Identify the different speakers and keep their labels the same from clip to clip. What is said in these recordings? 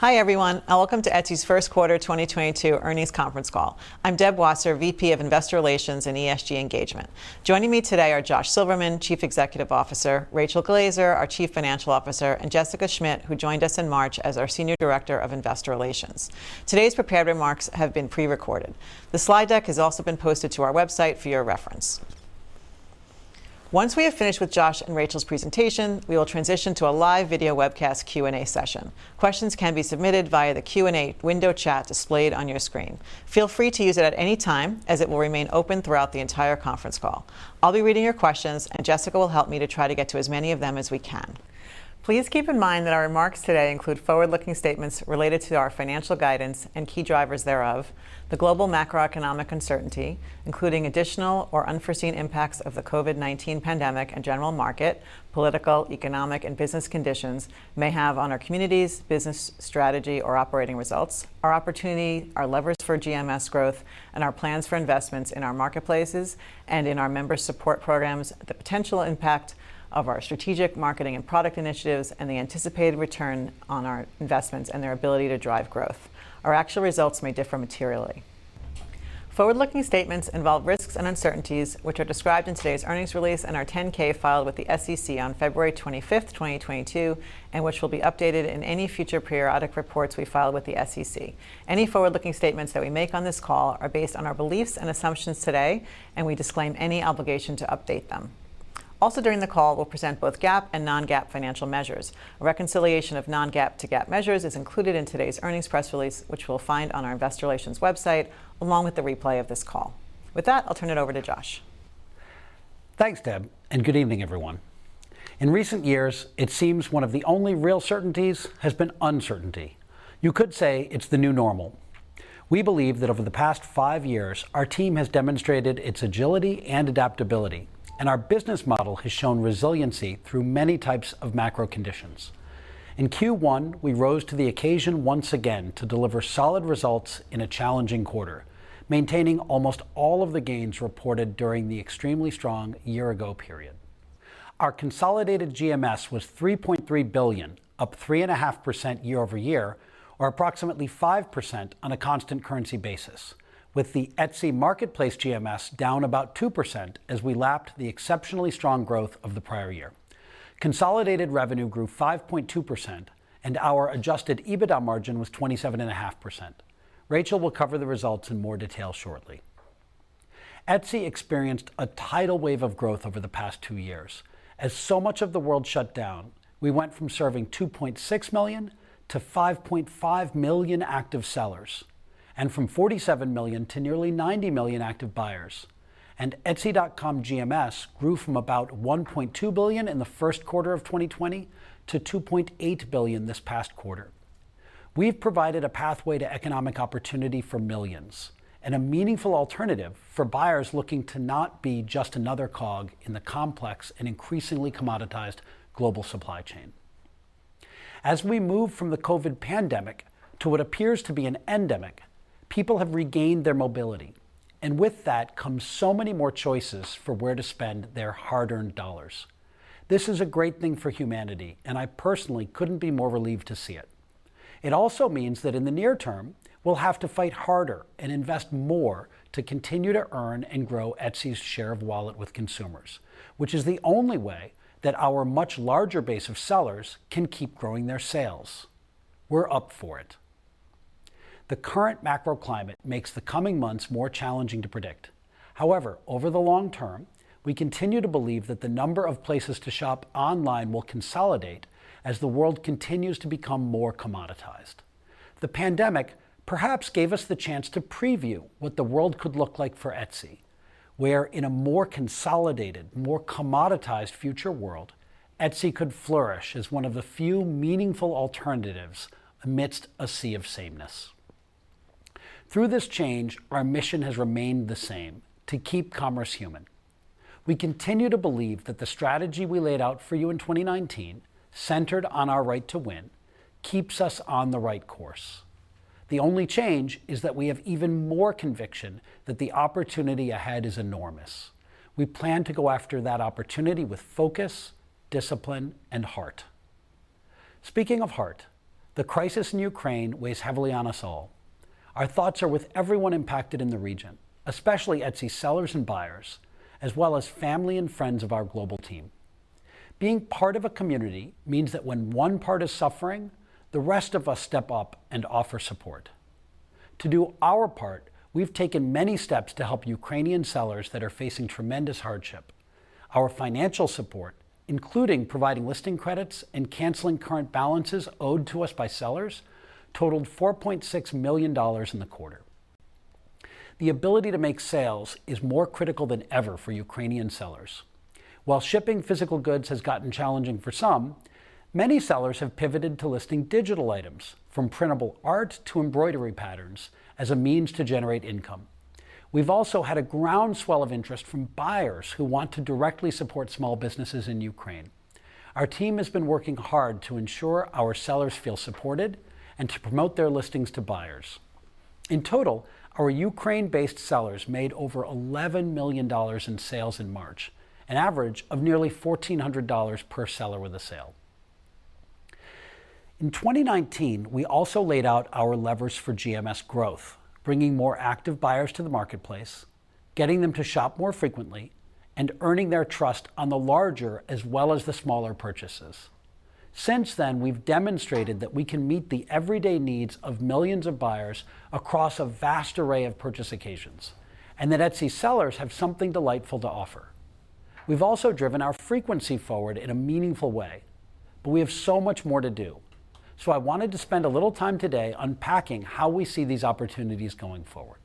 Speaker 1: Hi, everyone, and welcome to Etsy's first quarter 2022 earnings conference call. I'm Deb Wasser, VP of Investor Relations and ESG Engagement. Joining me today are Josh Silverman, Chief Executive Officer, Rachel Glaser, our Chief Financial Officer, and Jessica Schmidt, who joined us in March as our Senior Director of Investor Relations. Today's prepared remarks have been pre-recorded. The slide deck has also been posted to our website for your reference. Once we have finished with Josh and Rachel's presentation, we will transition to a live video webcast Q&A session. Questions can be submitted via the Q&A window chat displayed on your screen. Feel free to use it at any time, as it will remain open throughout the entire conference call. I'll be reading your questions, and Jessica will help me to try to get to as many of them as we can. Please keep in mind that our remarks today include forward-looking statements related to our financial guidance and key drivers thereof, the global macroeconomic uncertainty, including additional or unforeseen impacts of the COVID-19 pandemic and general market, political, economic, and business conditions may have on our communities, business strategy or operating results, our opportunity, our levers for GMS growth, and our plans for investments in our marketplaces and in our member support programs, the potential impact of our strategic marketing and product initiatives, and the anticipated return on our investments and their ability to drive growth. Our actual results may differ materially. Forward-looking statements involve risks and uncertainties, which are described in today's earnings release and our 10-K filed with the SEC on February 25th, 2022, and which will be updated in any future periodic reports we file with the SEC. Any forward-looking statements that we make on this call are based on our beliefs and assumptions today, and we disclaim any obligation to update them. Also during the call, we'll present both GAAP and non-GAAP financial measures. A reconciliation of non-GAAP to GAAP measures is included in today's earnings press release, which you will find on our investor relations website, along with the replay of this call. With that, I'll turn it over to Josh.
Speaker 2: Thanks, Deb, and good evening, everyone. In recent years, it seems one of the only real certainties has been uncertainty. You could say it's the new normal. We believe that over the past five years, our team has demonstrated its agility and adaptability, and our business model has shown resiliency through many types of macro conditions. In Q1, we rose to the occasion once again to deliver solid results in a challenging quarter, maintaining almost all of the gains reported during the extremely strong year-ago period. Our consolidated GMS was $3.3 billion, up 3.5% year-over-year, or approximately 5% on a constant currency basis, with the Etsy marketplace GMS down about 2% as we lapped the exceptionally strong growth of the prior year. Consolidated revenue grew 5.2%, and our adjusted EBITDA margin was 27.5%. Rachel will cover the results in more detail shortly. Etsy experienced a tidal wave of growth over the past two years. As so much of the world shut down, we went from serving 2.6 million-5.5 million active sellers, and from 47 million to nearly 90 million active buyers. Etsy.com GMS grew from about $1.2 billion in the first quarter of 2020 to $2.8 billion this past quarter. We've provided a pathway to economic opportunity for millions and a meaningful alternative for buyers looking to not be just another cog in the complex and increasingly commoditized global supply chain. As we move from the COVID pandemic to what appears to be an endemic, people have regained their mobility, and with that comes so many more choices for where to spend their hard-earned dollars. This is a great thing for humanity, and I personally couldn't be more relieved to see it. It also means that in the near term we'll have to fight harder and invest more to continue to earn and grow Etsy's share of wallet with consumers, which is the only way that our much larger base of sellers can keep growing their sales. We're up for it. The current macro climate makes the coming months more challenging to predict. However, over the long term, we continue to believe that the number of places to shop online will consolidate as the world continues to become more commoditized. The pandemic perhaps gave us the chance to preview what the world could look like for Etsy, where in a more consolidated, more commoditized future world, Etsy could flourish as one of the few meaningful alternatives amidst a sea of sameness. Through this change, our mission has remained the same, to keep commerce human. We continue to believe that the strategy we laid out for you in 2019, centered on our right to win, keeps us on the right course. The only change is that we have even more conviction that the opportunity ahead is enormous. We plan to go after that opportunity with focus, discipline, and heart. Speaking of heart, the crisis in Ukraine weighs heavily on us all. Our thoughts are with everyone impacted in the region, especially Etsy sellers and buyers, as well as family and friends of our global team. Being part of a community means that when one part is suffering, the rest of us step up and offer support. To do our part, we've taken many steps to help Ukrainian sellers that are facing tremendous hardship. Our financial support, including providing listing credits and canceling current balances owed to us by sellers, totaled $4.6 million in the quarter. The ability to make sales is more critical than ever for Ukrainian sellers. While shipping physical goods has gotten challenging for some, many sellers have pivoted to listing digital items, from printable art to embroidery patterns, as a means to generate income. We've also had a groundswell of interest from buyers who want to directly support small businesses in Ukraine. Our team has been working hard to ensure our sellers feel supported and to promote their listings to buyers. In total, our Ukraine-based sellers made over $11 million in sales in March, an average of nearly $1,400 per seller with a sale. In 2019, we also laid out our levers for GMS growth, bringing more active buyers to the marketplace, getting them to shop more frequently, and earning their trust on the larger as well as the smaller purchases. Since then, we've demonstrated that we can meet the everyday needs of millions of buyers across a vast array of purchase occasions, and that Etsy sellers have something delightful to offer. We've also driven our frequency forward in a meaningful way, but we have so much more to do. I wanted to spend a little time today unpacking how we see these opportunities going forward.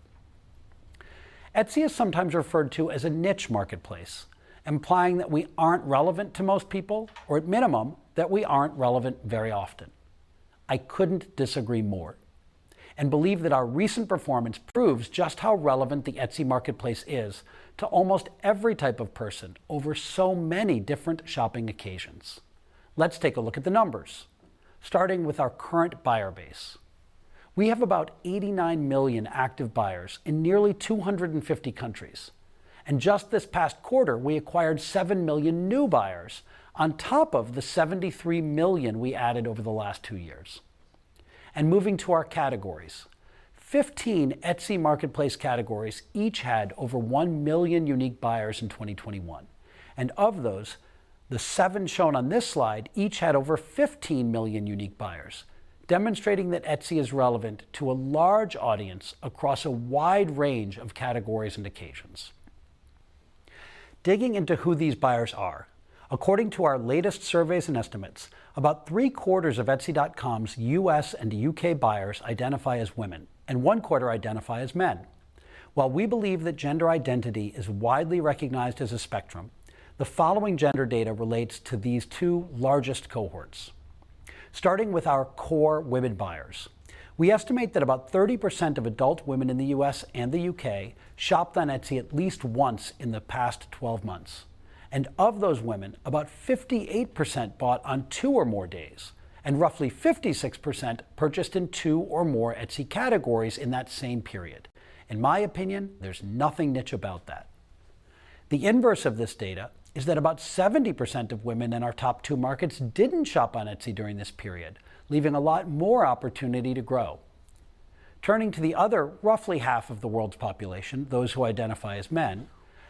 Speaker 2: Etsy is sometimes referred to as a niche marketplace, implying that we aren't relevant to most people, or at minimum, that we aren't relevant very often. I couldn't disagree more, and believe that our recent performance proves just how relevant the Etsy marketplace is to almost every type of person over so many different shopping occasions. Let's take a look at the numbers, starting with our current buyer base. We have about 89 million active buyers in nearly 250 countries. Just this past quarter, we acquired 7 million new buyers on top of the 73 million we added over the last two years. Moving to our categories, 15 Etsy marketplace categories each had over 1 million unique buyers in 2021. Of those, the seven shown on this slide each had over 15 million unique buyers, demonstrating that Etsy is relevant to a large audience across a wide range of categories and occasions. Digging into who these buyers are, according to our latest surveys and estimates, about three-quarters of Etsy.com's U.S. and U.K. buyers identify as women, and one-quarter identify as men. While we believe that gender identity is widely recognized as a spectrum, the following gender data relates to these two largest cohorts. Starting with our core women buyers, we estimate that about 30% of adult women in the U.S. and the U.K. shopped on Etsy at least once in the past 12 months. Of those women, about 58% bought on two or more days, and roughly 56% purchased in two or more Etsy categories in that same period. In my opinion, there's nothing niche about that. The inverse of this data is that about 70% of women in our top two markets didn't shop on Etsy during this period, leaving a lot more opportunity to grow. Turning to the other roughly half of the world's population, those who identify as men,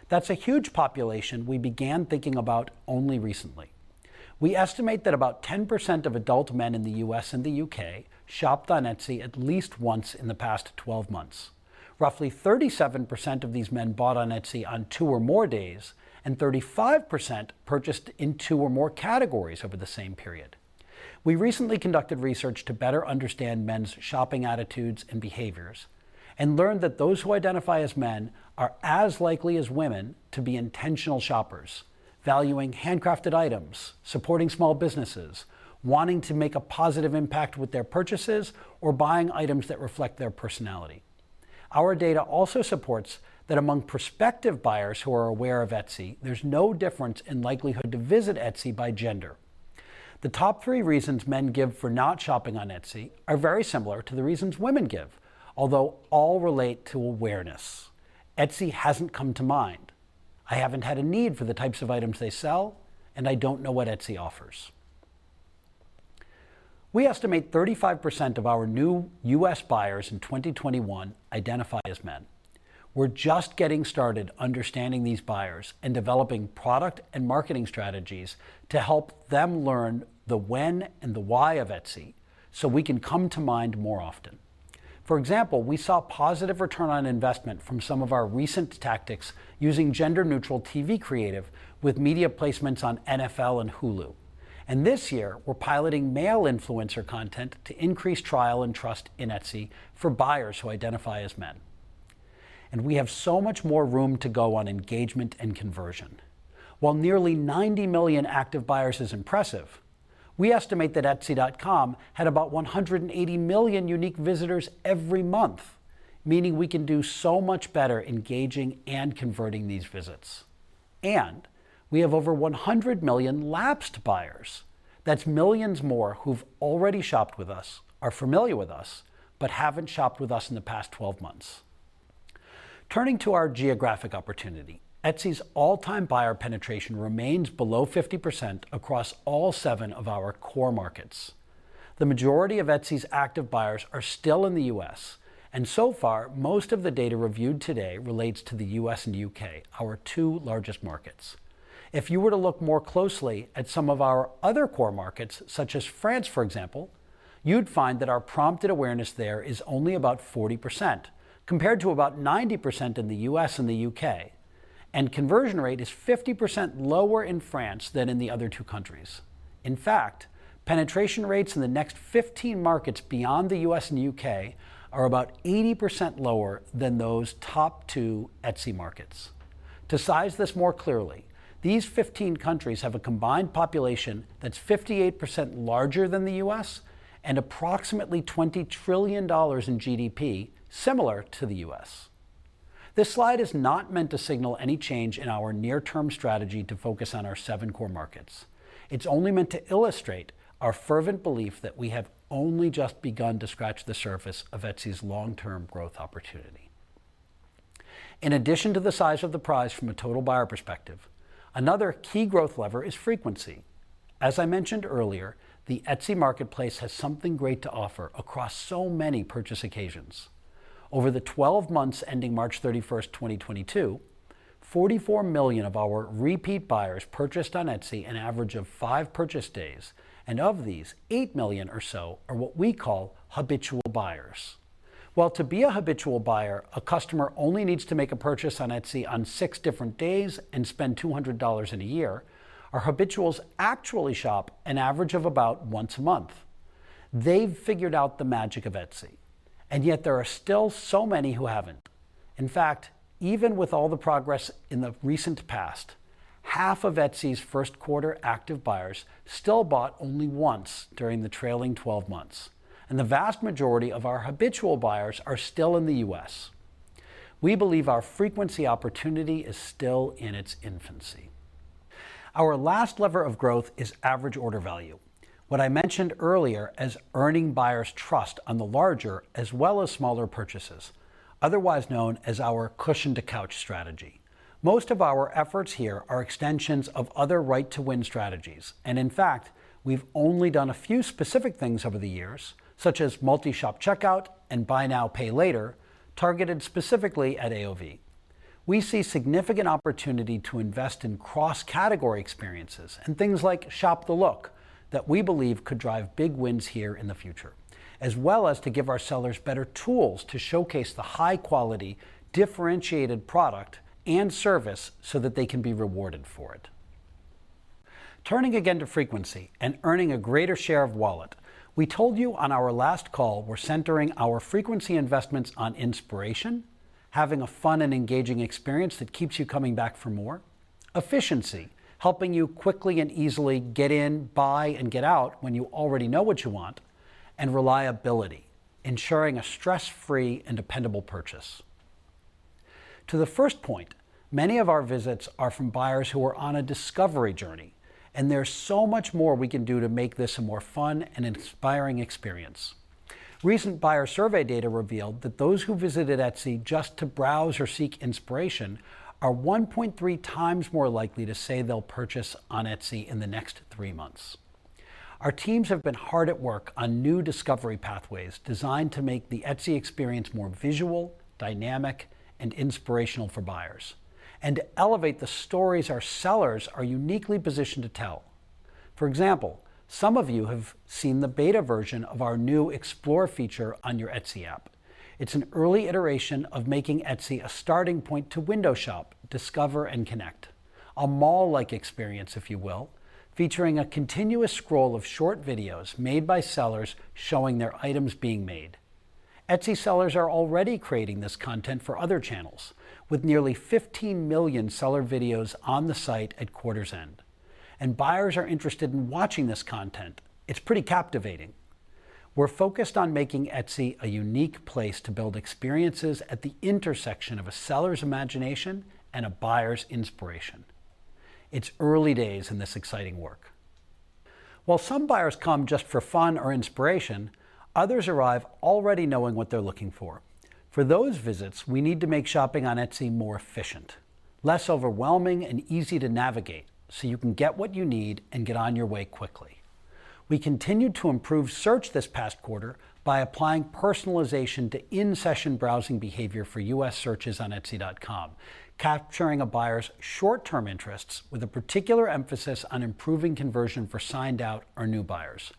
Speaker 2: that's a huge population we began thinking about only recently. We estimate that about 10% of adult men in the U.S. and the U.K. shopped on Etsy at least once in the past 12 months. Roughly 37% of these men bought on Etsy on two or more days, and 35% purchased in two or more categories over the same period. We recently conducted research to better understand men's shopping attitudes and behaviors, and learned that those who identify as men are as likely as women to be intentional shoppers, valuing handcrafted items, supporting small businesses, wanting to make a positive impact with their purchases, or buying items that reflect their personality. Our data also supports that among prospective buyers who are aware of Etsy, there's no difference in likelihood to visit Etsy by gender. The top three reasons men give for not shopping on Etsy are very similar to the reasons women give, although all relate to awareness. Etsy hasn't come to mind. I haven't had a need for the types of items they sell, and I don't know what Etsy offers. We estimate 35% of our new U.S. buyers in 2021 identify as men. We're just getting started understanding these buyers and developing product and marketing strategies to help them learn the when and the why of Etsy so we can come to mind more often. For example, we saw positive return on investment from some of our recent tactics using gender-neutral TV creative with media placements on NFL and Hulu. This year, we're piloting male influencer content to increase trial and trust in Etsy for buyers who identify as men. We have so much more room to go on engagement and conversion. While nearly 90 million active buyers is impressive, we estimate that Etsy.com had about 180 million unique visitors every month, meaning we can do so much better engaging and converting these visits. We have over 100 million lapsed buyers. That's millions more who've already shopped with us, are familiar with us, but haven't shopped with us in the past 12 months. Turning to our geographic opportunity, Etsy's all-time buyer penetration remains below 50% across all seven of our core markets. The majority of Etsy's active buyers are still in the U.S., and so far, most of the data reviewed today relates to the U.S. and U.K., our two largest markets. If you were to look more closely at some of our other core markets, such as France, for example, you'd find that our prompted awareness there is only about 40%, compared to about 90% in the U.S. and the U.K., and conversion rate is 50% lower in France than in the other two countries. In fact, penetration rates in the next 15 markets beyond the U.S. and U.K. are about 80% lower than those top two Etsy markets. To size this more clearly, these 15 countries have a combined population that's 58% larger than the U.S. and approximately $20 trillion in GDP, similar to the U.S. This slide is not meant to signal any change in our near-term strategy to focus on our seven core markets. It's only meant to illustrate our fervent belief that we have only just begun to scratch the surface of Etsy's long-term growth opportunity. In addition to the size of the prize from a total buyer perspective, another key growth lever is frequency. As I mentioned earlier, the Etsy marketplace has something great to offer across so many purchase occasions. Over the 12 months ending March 31st, 2022, 44 million of our repeat buyers purchased on Etsy an average of five purchase days, and of these, 8 million or so are what we call habitual buyers. While to be a habitual buyer, a customer only needs to make a purchase on Etsy on six different days and spend $200 in a year, our habituals actually shop an average of about once a month. They've figured out the magic of Etsy, and yet there are still so many who haven't. In fact, even with all the progress in the recent past, half of Etsy's first quarter active buyers still bought only once during the trailing twelve months, and the vast majority of our habitual buyers are still in the U.S. We believe our frequency opportunity is still in its infancy. Our last lever of growth is average order value, what I mentioned earlier as earning buyers' trust on the larger as well as smaller purchases, otherwise known as our cushion to couch strategy. Most of our efforts here are extensions of other right-to-win strategies. In fact, we've only done a few specific things over the years, such as multi-shop checkout and buy now, pay later, targeted specifically at AOV. We see significant opportunity to invest in cross-category experiences and things like Shop the Look that we believe could drive big wins here in the future, as well as to give our sellers better tools to showcase the high-quality, differentiated product and service so that they can be rewarded for it. Turning again to frequency and earning a greater share of wallet, we told you on our last call we're centering our frequency investments on inspiration, having a fun and engaging experience that keeps you coming back for more, efficiency, helping you quickly and easily get in, buy, and get out when you already know what you want, and reliability, ensuring a stress-free and dependable purchase. To the first point, many of our visits are from buyers who are on a discovery journey, and there's so much more we can do to make this a more fun and inspiring experience. Recent buyer survey data revealed that those who visited Etsy just to browse or seek inspiration are 1.3 times more likely to say they'll purchase on Etsy in the next three months. Our teams have been hard at work on new discovery pathways designed to make the Etsy experience more visual, dynamic, and inspirational for buyers and to elevate the stories our sellers are uniquely positioned to tell. For example, some of you have seen the beta version of our new Explore feature on your Etsy app. It's an early iteration of making Etsy a starting point to window shop, discover, and connect, a mall-like experience, if you will, featuring a continuous scroll of short videos made by sellers showing their items being made. Etsy sellers are already creating this content for other channels, with nearly 15 million seller videos on the site at quarter's end. Buyers are interested in watching this content. It's pretty captivating. We're focused on making Etsy a unique place to build experiences at the intersection of a seller's imagination and a buyer's inspiration. It's early days in this exciting work. While some buyers come just for fun or inspiration, others arrive already knowing what they're looking for. For those visits, we need to make shopping on Etsy more efficient, less overwhelming, and easy to navigate, so you can get what you need and get on your way quickly. We continued to improve search this past quarter by applying personalization to in-session browsing behavior for U.S. searches on Etsy.com, capturing a buyer's short-term interests with a particular emphasis on improving conversion for signed-out or new buyers.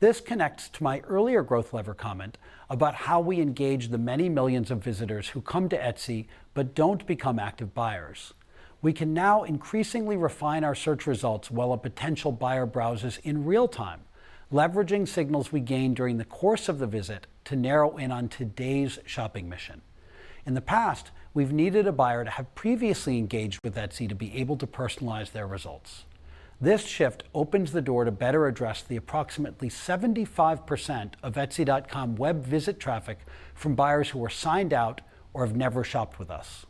Speaker 2: This connects to my earlier growth lever comment about how we engage the many millions of visitors who come to Etsy but don't become active buyers. We can now increasingly refine our search results while a potential buyer browses in real time, leveraging signals we gain during the course of the visit to narrow in on today's shopping mission. In the past, we've needed a buyer to have previously engaged with Etsy to be able to personalize their results. This shift opens the door to better address the approximately 75% of Etsy.com web visit traffic from buyers who are signed out or have never shopped with us.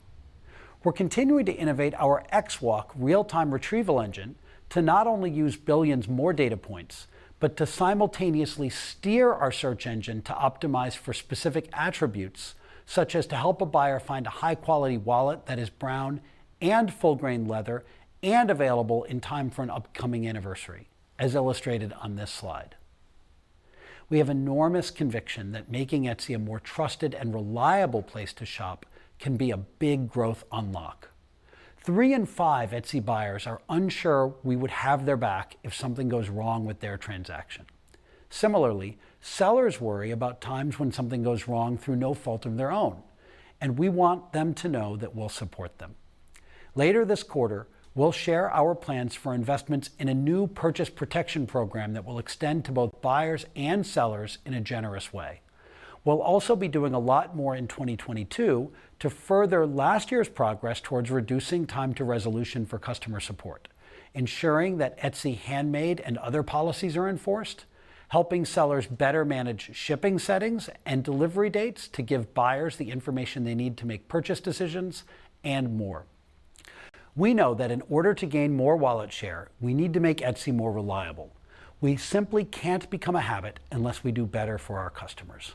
Speaker 2: We're continuing to innovate our XWalk real-time retrieval engine to not only use billions more data points, but to simultaneously steer our search engine to optimize for specific attributes, such as to help a buyer find a high-quality wallet that is brown and full-grain leather and available in time for an upcoming anniversary, as illustrated on this slide. We have enormous conviction that making Etsy a more trusted and reliable place to shop can be a big growth unlock. Three in five Etsy buyers are unsure we would have their back if something goes wrong with their transaction. Similarly, sellers worry about times when something goes wrong through no fault of their own, and we want them to know that we'll support them. Later this quarter, we'll share our plans for investments in a new purchase protection program that will extend to both buyers and sellers in a generous way. We'll also be doing a lot more in 2022 to further last year's progress towards reducing time to resolution for customer support, ensuring that Etsy Handmade and other policies are enforced, helping sellers better manage shipping settings and delivery dates to give buyers the information they need to make purchase decisions, and more. We know that in order to gain more wallet share, we need to make Etsy more reliable. We simply can't become a habit unless we do better for our customers.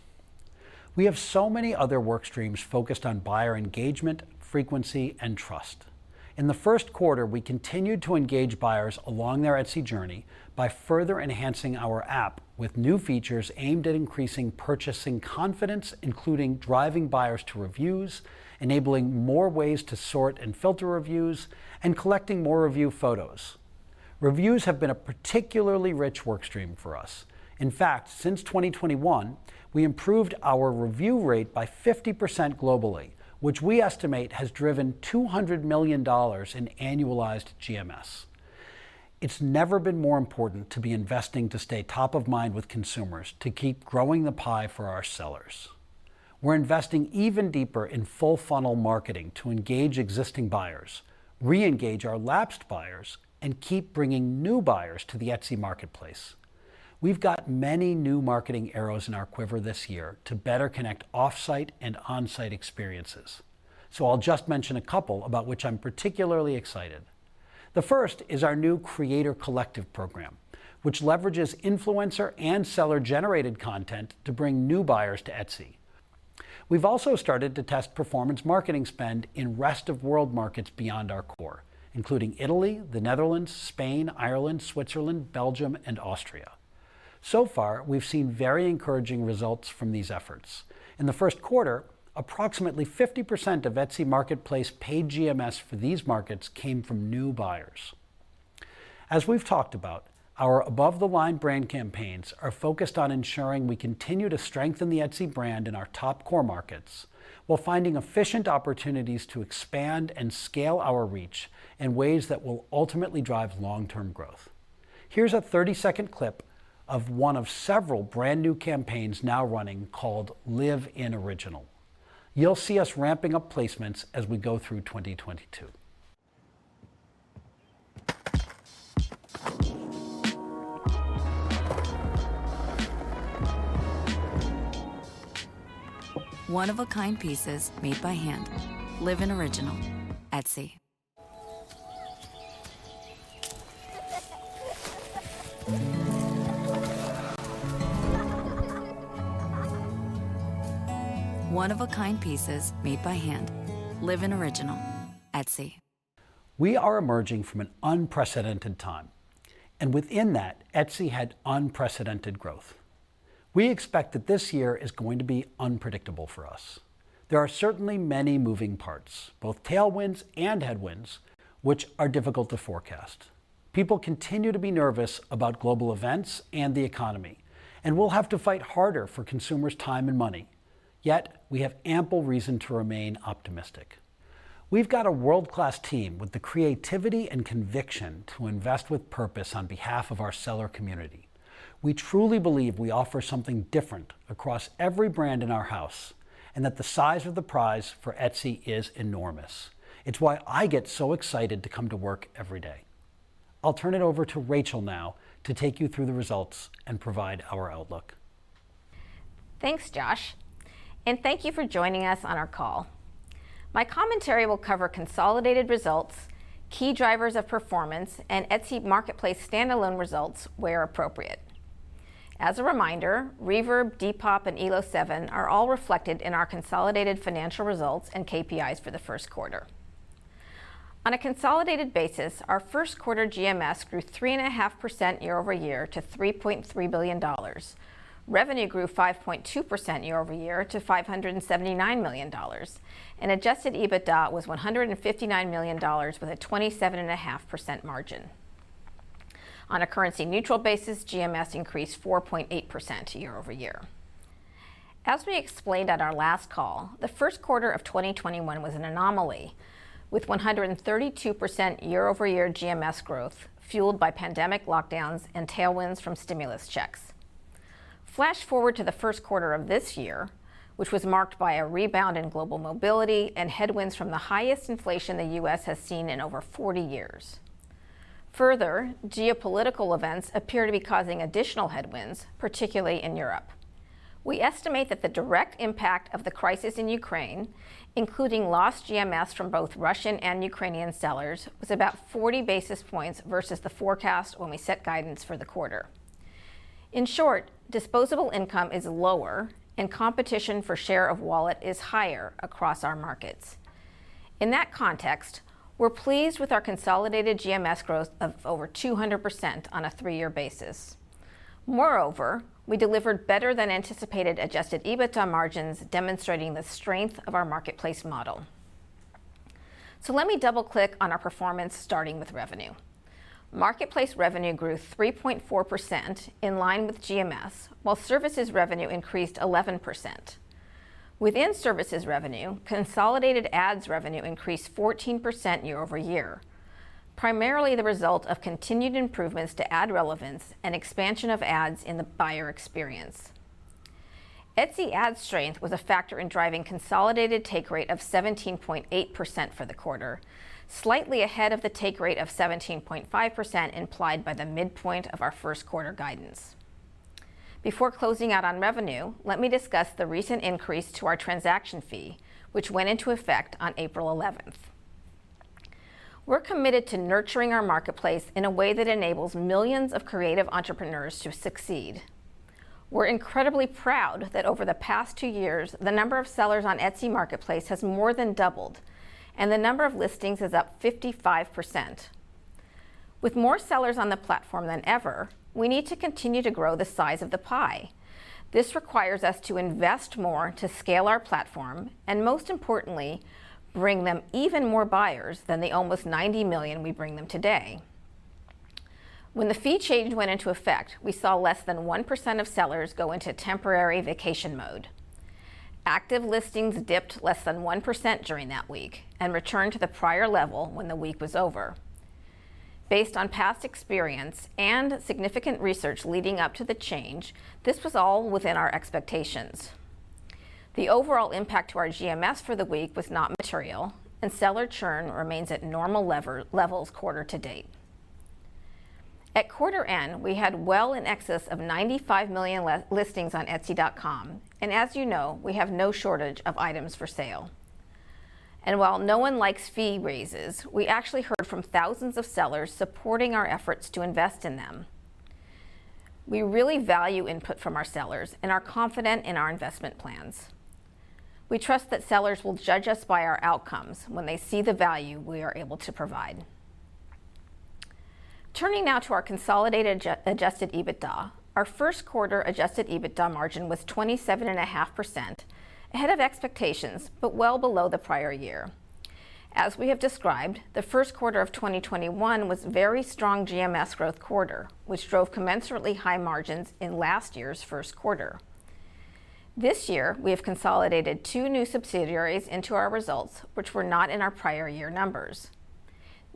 Speaker 2: We have so many other work streams focused on buyer engagement, frequency, and trust. In the first quarter, we continued to engage buyers along their Etsy journey by further enhancing our app with new features aimed at increasing purchasing confidence, including driving buyers to reviews, enabling more ways to sort and filter reviews, and collecting more review photos. Reviews have been a particularly rich work stream for us. In fact, since 2021, we improved our review rate by 50% globally, which we estimate has driven $200 million in annualized GMS. It's never been more important to be investing to stay top of mind with consumers to keep growing the pie for our sellers. We're investing even deeper in full funnel marketing to engage existing buyers, re-engage our lapsed buyers, and keep bringing new buyers to the Etsy marketplace. We've got many new marketing arrows in our quiver this year to better connect off-site and on-site experiences, so I'll just mention a couple about which I'm particularly excited. The first is our new Creator Collective program, which leverages influencer and seller-generated content to bring new buyers to Etsy. We've also started to test performance marketing spend in rest of world markets beyond our core, including Italy, the Netherlands, Spain, Ireland, Switzerland, Belgium, and Austria. Far, we've seen very encouraging results from these efforts. In the first quarter, approximately 50% of Etsy marketplace paid GMS for these markets came from new buyers. As we've talked about, our above-the-line brand campaigns are focused on ensuring we continue to strengthen the Etsy brand in our top core markets while finding efficient opportunities to expand and scale our reach in ways that will ultimately drive long-term growth. Here's a 30-second clip of one of several brand-new campaigns now running called Live in Original. You'll see us ramping up placements as we go through 2022.
Speaker 3: One-of-a-kind pieces made by hand. Live in Original. Etsy. One-of-a-kind pieces made by hand. Live in Original. Etsy.
Speaker 2: We are emerging from an unprecedented time, and within that, Etsy had unprecedented growth. We expect that this year is going to be unpredictable for us. There are certainly many moving parts, both tailwinds and headwinds, which are difficult to forecast. People continue to be nervous about global events and the economy, and we'll have to fight harder for consumers' time and money. Yet we have ample reason to remain optimistic. We've got a world-class team with the creativity and conviction to invest with purpose on behalf of our seller community. We truly believe we offer something different across every brand in our house, and that the size of the prize for Etsy is enormous. It's why I get so excited to come to work every day. I'll turn it over to Rachel now to take you through the results and provide our outlook.
Speaker 4: Thanks, Josh, and thank you for joining us on our call. My commentary will cover consolidated results, key drivers of performance, and Etsy marketplace standalone results where appropriate. As a reminder, Reverb, Depop, and Elo7 are all reflected in our consolidated financial results and KPIs for the first quarter. On a consolidated basis, our first quarter GMS grew 3.5% year-over-year to $3.3 billion. Revenue grew 5.2% year-over-year to $579 million. Adjusted EBITDA was $159 million with a 27.5% margin. On a currency neutral basis, GMS increased 4.8% year-over-year. As we explained at our last call, the first quarter of 2021 was an anomaly, with 132% year-over-year GMS growth fueled by pandemic lockdowns and tailwinds from stimulus checks. Flash forward to the first quarter of this year, which was marked by a rebound in global mobility and headwinds from the highest inflation the U.S. has seen in over 40 years. Further, geopolitical events appear to be causing additional headwinds, particularly in Europe. We estimate that the direct impact of the crisis in Ukraine, including lost GMS from both Russian and Ukrainian sellers, was about 40 basis points versus the forecast when we set guidance for the quarter. In short, disposable income is lower and competition for share of wallet is higher across our markets. In that context, we're pleased with our consolidated GMS growth of over 200% on a three year basis. Moreover, we delivered better than anticipated adjusted EBITDA margins, demonstrating the strength of our marketplace model. Let me double-click on our performance starting with revenue. Marketplace revenue grew 3.4% in line with GMS, while services revenue increased 11%. Within services revenue, consolidated ads revenue increased 14% year-over-year, primarily the result of continued improvements to ad relevance and expansion of ads in the buyer experience. Etsy ad strength was a factor in driving consolidated take rate of 17.8% for the quarter, slightly ahead of the take rate of 17.5% implied by the midpoint of our first quarter guidance. Before closing out on revenue, let me discuss the recent increase to our transaction fee, which went into effect on April 11th. We're committed to nurturing our marketplace in a way that enables millions of creative entrepreneurs to succeed. We're incredibly proud that over the past two years, the number of sellers on Etsy marketplace has more than doubled, and the number of listings is up 55%. With more sellers on the platform than ever, we need to continue to grow the size of the pie. This requires us to invest more to scale our platform, and most importantly, bring them even more buyers than the almost 90 million we bring them today. When the fee change went into effect, we saw less than 1% of sellers go into temporary vacation mode. Active listings dipped less than 1% during that week and returned to the prior level when the week was over. Based on past experience and significant research leading up to the change, this was all within our expectations. The overall impact to our GMS for the week was not material, and seller churn remains at normal levels quarter to date. At quarter end, we had well in excess of 95 million listings on Etsy.com, and as you know, we have no shortage of items for sale. While no one likes fee raises, we actually heard from thousands of sellers supporting our efforts to invest in them. We really value input from our sellers and are confident in our investment plans. We trust that sellers will judge us by our outcomes when they see the value we are able to provide. Turning now to our consolidated adjusted EBITDA, our first quarter adjusted EBITDA margin was 27.5%, ahead of expectations but well below the prior year. As we have described, the first quarter of 2021 was a very strong GMS growth quarter, which drove commensurately high margins in last year's first quarter. This year, we have consolidated two new subsidiaries into our results, which were not in our prior year numbers.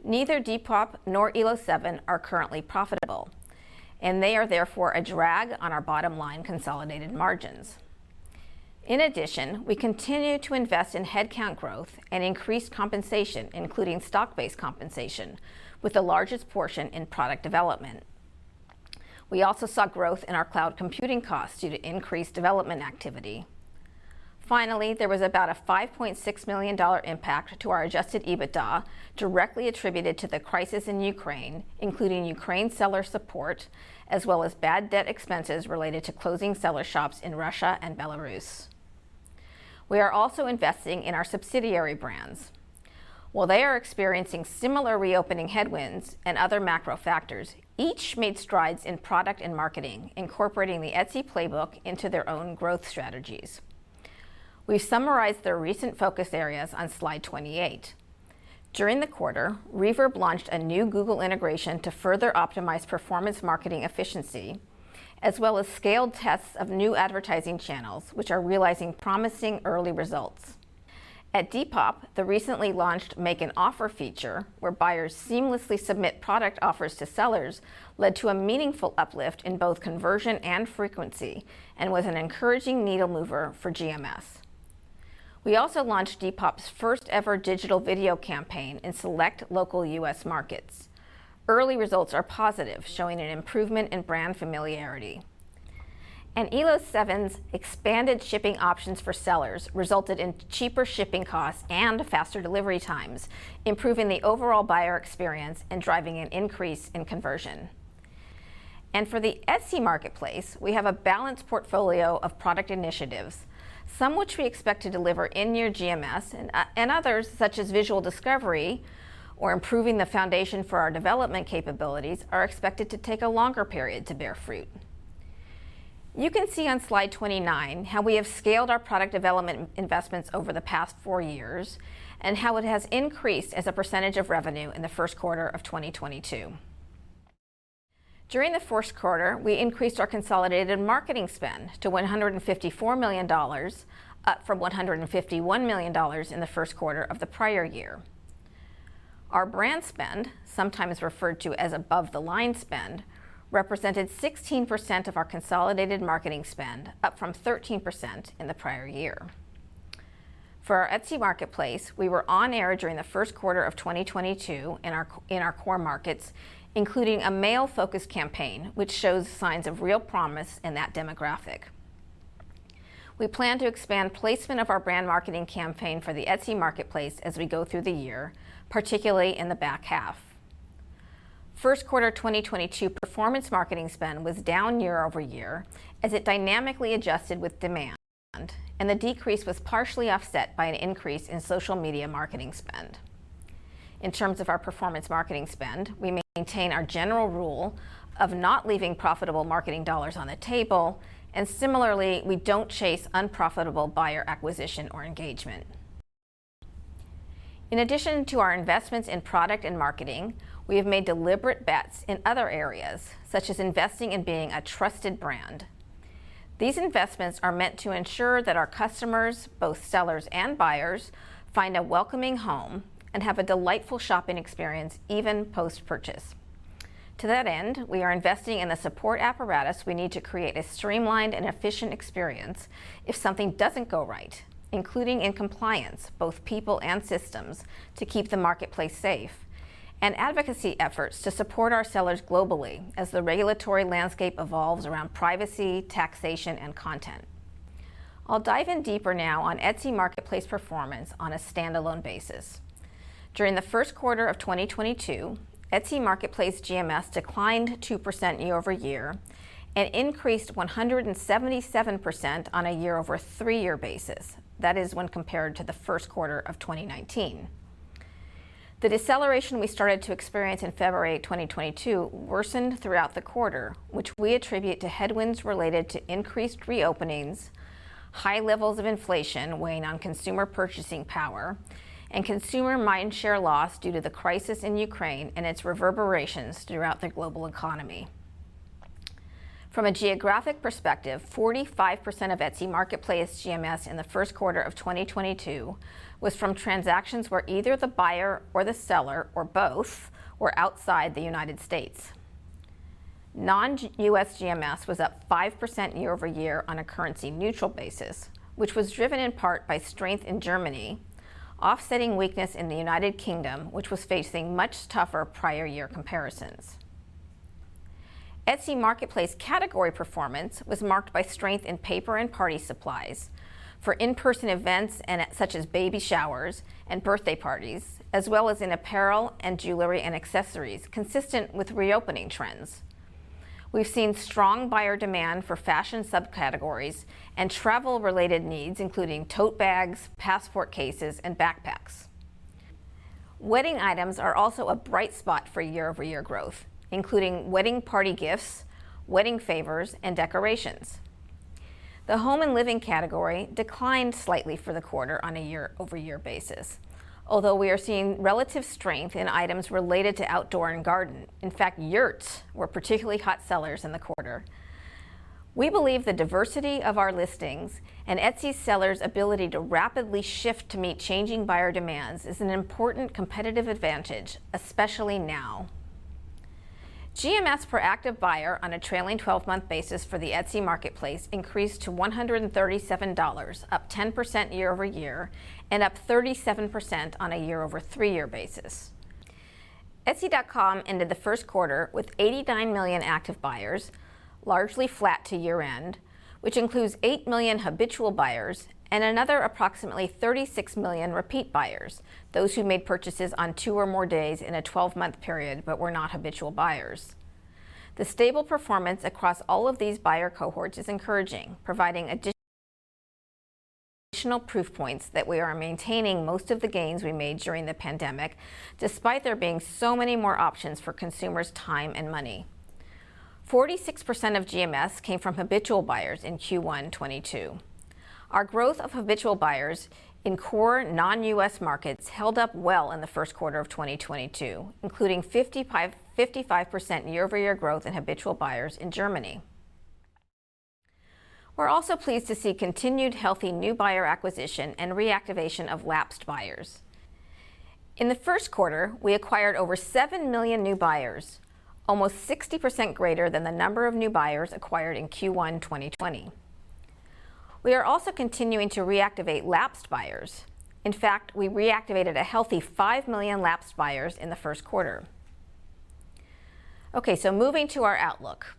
Speaker 4: Neither Depop nor Elo7 are currently profitable, and they are therefore a drag on our bottom-line consolidated margins. In addition, we continue to invest in headcount growth and increased compensation, including stock-based compensation, with the largest portion in product development. We also saw growth in our cloud computing costs due to increased development activity. Finally, there was about a $5.6 million impact to our Adjusted EBITDA directly attributed to the crisis in Ukraine, including Ukraine seller support, as well as bad debt expenses related to closing seller shops in Russia and Belarus. We are also investing in our subsidiary brands. While they are experiencing similar reopening headwinds and other macro factors, each made strides in product and marketing, incorporating the Etsy playbook into their own growth strategies. We've summarized their recent focus areas on slide 28. During the quarter, Reverb launched a new Google integration to further optimize performance marketing efficiency, as well as scaled tests of new advertising channels, which are realizing promising early results. At Depop, the recently launched Make an Offer feature, where buyers seamlessly submit product offers to sellers, led to a meaningful uplift in both conversion and frequency and was an encouraging needle mover for GMS. We also launched Depop's first ever digital video campaign in select local U.S. markets. Early results are positive, showing an improvement in brand familiarity. Elo7's expanded shipping options for sellers resulted in cheaper shipping costs and faster delivery times, improving the overall buyer experience and driving an increase in conversion. For the Etsy marketplace, we have a balanced portfolio of product initiatives, some which we expect to deliver in-year GMS, and others, such as visual discovery or improving the foundation for our development capabilities, are expected to take a longer period to bear fruit. You can see on slide 29 how we have scaled our product development investments over the past four years and how it has increased as a percentage of revenue in the first quarter of 2022. During the first quarter, we increased our consolidated marketing spend to $154 million, up from $151 million in the first quarter of the prior year. Our brand spend, sometimes referred to as above-the-line spend, represented 16% of our consolidated marketing spend, up from 13% in the prior year. For our Etsy marketplace, we were on air during the first quarter of 2022 in our core markets, including a male-focused campaign, which shows signs of real promise in that demographic. We plan to expand placement of our brand marketing campaign for the Etsy marketplace as we go through the year, particularly in the back half. First quarter 2022 performance marketing spend was down year-over-year as it dynamically adjusted with demand, and the decrease was partially offset by an increase in social media marketing spend. In terms of our performance marketing spend, we maintain our general rule of not leaving profitable marketing dollars on the table, and similarly, we don't chase unprofitable buyer acquisition or engagement. In addition to our investments in product and marketing, we have made deliberate bets in other areas, such as investing in being a trusted brand. These investments are meant to ensure that our customers, both sellers and buyers, find a welcoming home and have a delightful shopping experience even post-purchase. To that end, we are investing in the support apparatus we need to create a streamlined and efficient experience if something doesn't go right, including in compliance, both people and systems, to keep the marketplace safe, and advocacy efforts to support our sellers globally as the regulatory landscape evolves around privacy, taxation, and content. I'll dive in deeper now on Etsy marketplace performance on a standalone basis. During the first quarter of 2022, Etsy marketplace GMS declined 2% year-over-year and increased 177% on a year-over-three-year basis. That is when compared to the first quarter of 2019. The deceleration we started to experience in February 2022 worsened throughout the quarter, which we attribute to headwinds related to increased reopenings, high levels of inflation weighing on consumer purchasing power, and consumer mindshare loss due to the crisis in Ukraine and its reverberations throughout the global economy. From a geographic perspective, 45% of Etsy marketplace GMS in the first quarter of 2022 was from transactions where either the buyer or the seller or both were outside the United States. Non-US GMS was up 5% year-over-year on a currency neutral basis, which was driven in part by strength in Germany, offsetting weakness in the United Kingdom, which was facing much tougher prior year comparisons. Etsy marketplace category performance was marked by strength in paper and party supplies for in-person events and such as baby showers and birthday parties, as well as in apparel and jewelry and accessories, consistent with reopening trends. We've seen strong buyer demand for fashion subcategories and travel-related needs, including tote bags, passport cases, and backpacks. Wedding items are also a bright spot for year-over-year growth, including wedding party gifts, wedding favors, and decorations. The home and living category declined slightly for the quarter on a year-over-year basis. Although we are seeing relative strength in items related to outdoor and garden. In fact, yurts were particularly hot sellers in the quarter. We believe the diversity of our listings and Etsy sellers' ability to rapidly shift to meet changing buyer demands is an important competitive advantage, especially now. GMS per active buyer on a trailing 12-month basis for the Etsy marketplace increased to $137, up 10% year-over-year and up 37% on a year-over-three-year basis. Etsy.com ended the first quarter with 89 million active buyers, largely flat to year-end, which includes 8 million habitual buyers and another approximately 36 million repeat buyers, those who made purchases on two or more days in a 12-month period but were not habitual buyers. The stable performance across all of these buyer cohorts is encouraging, providing additional proof points that we are maintaining most of the gains we made during the pandemic, despite there being so many more options for consumers' time and money. 46% of GMS came from habitual buyers in Q1 2022. Our growth of habitual buyers in core non-U.S. markets held up well in the first quarter of 2022, including 55% year-over-year growth in habitual buyers in Germany. We're also pleased to see continued healthy new buyer acquisition and reactivation of lapsed buyers. In the first quarter, we acquired over 7 million new buyers, almost 60% greater than the number of new buyers acquired in Q1 2020. We are also continuing to reactivate lapsed buyers. In fact, we reactivated a healthy 5 million lapsed buyers in the first quarter. Okay, so moving to our outlook.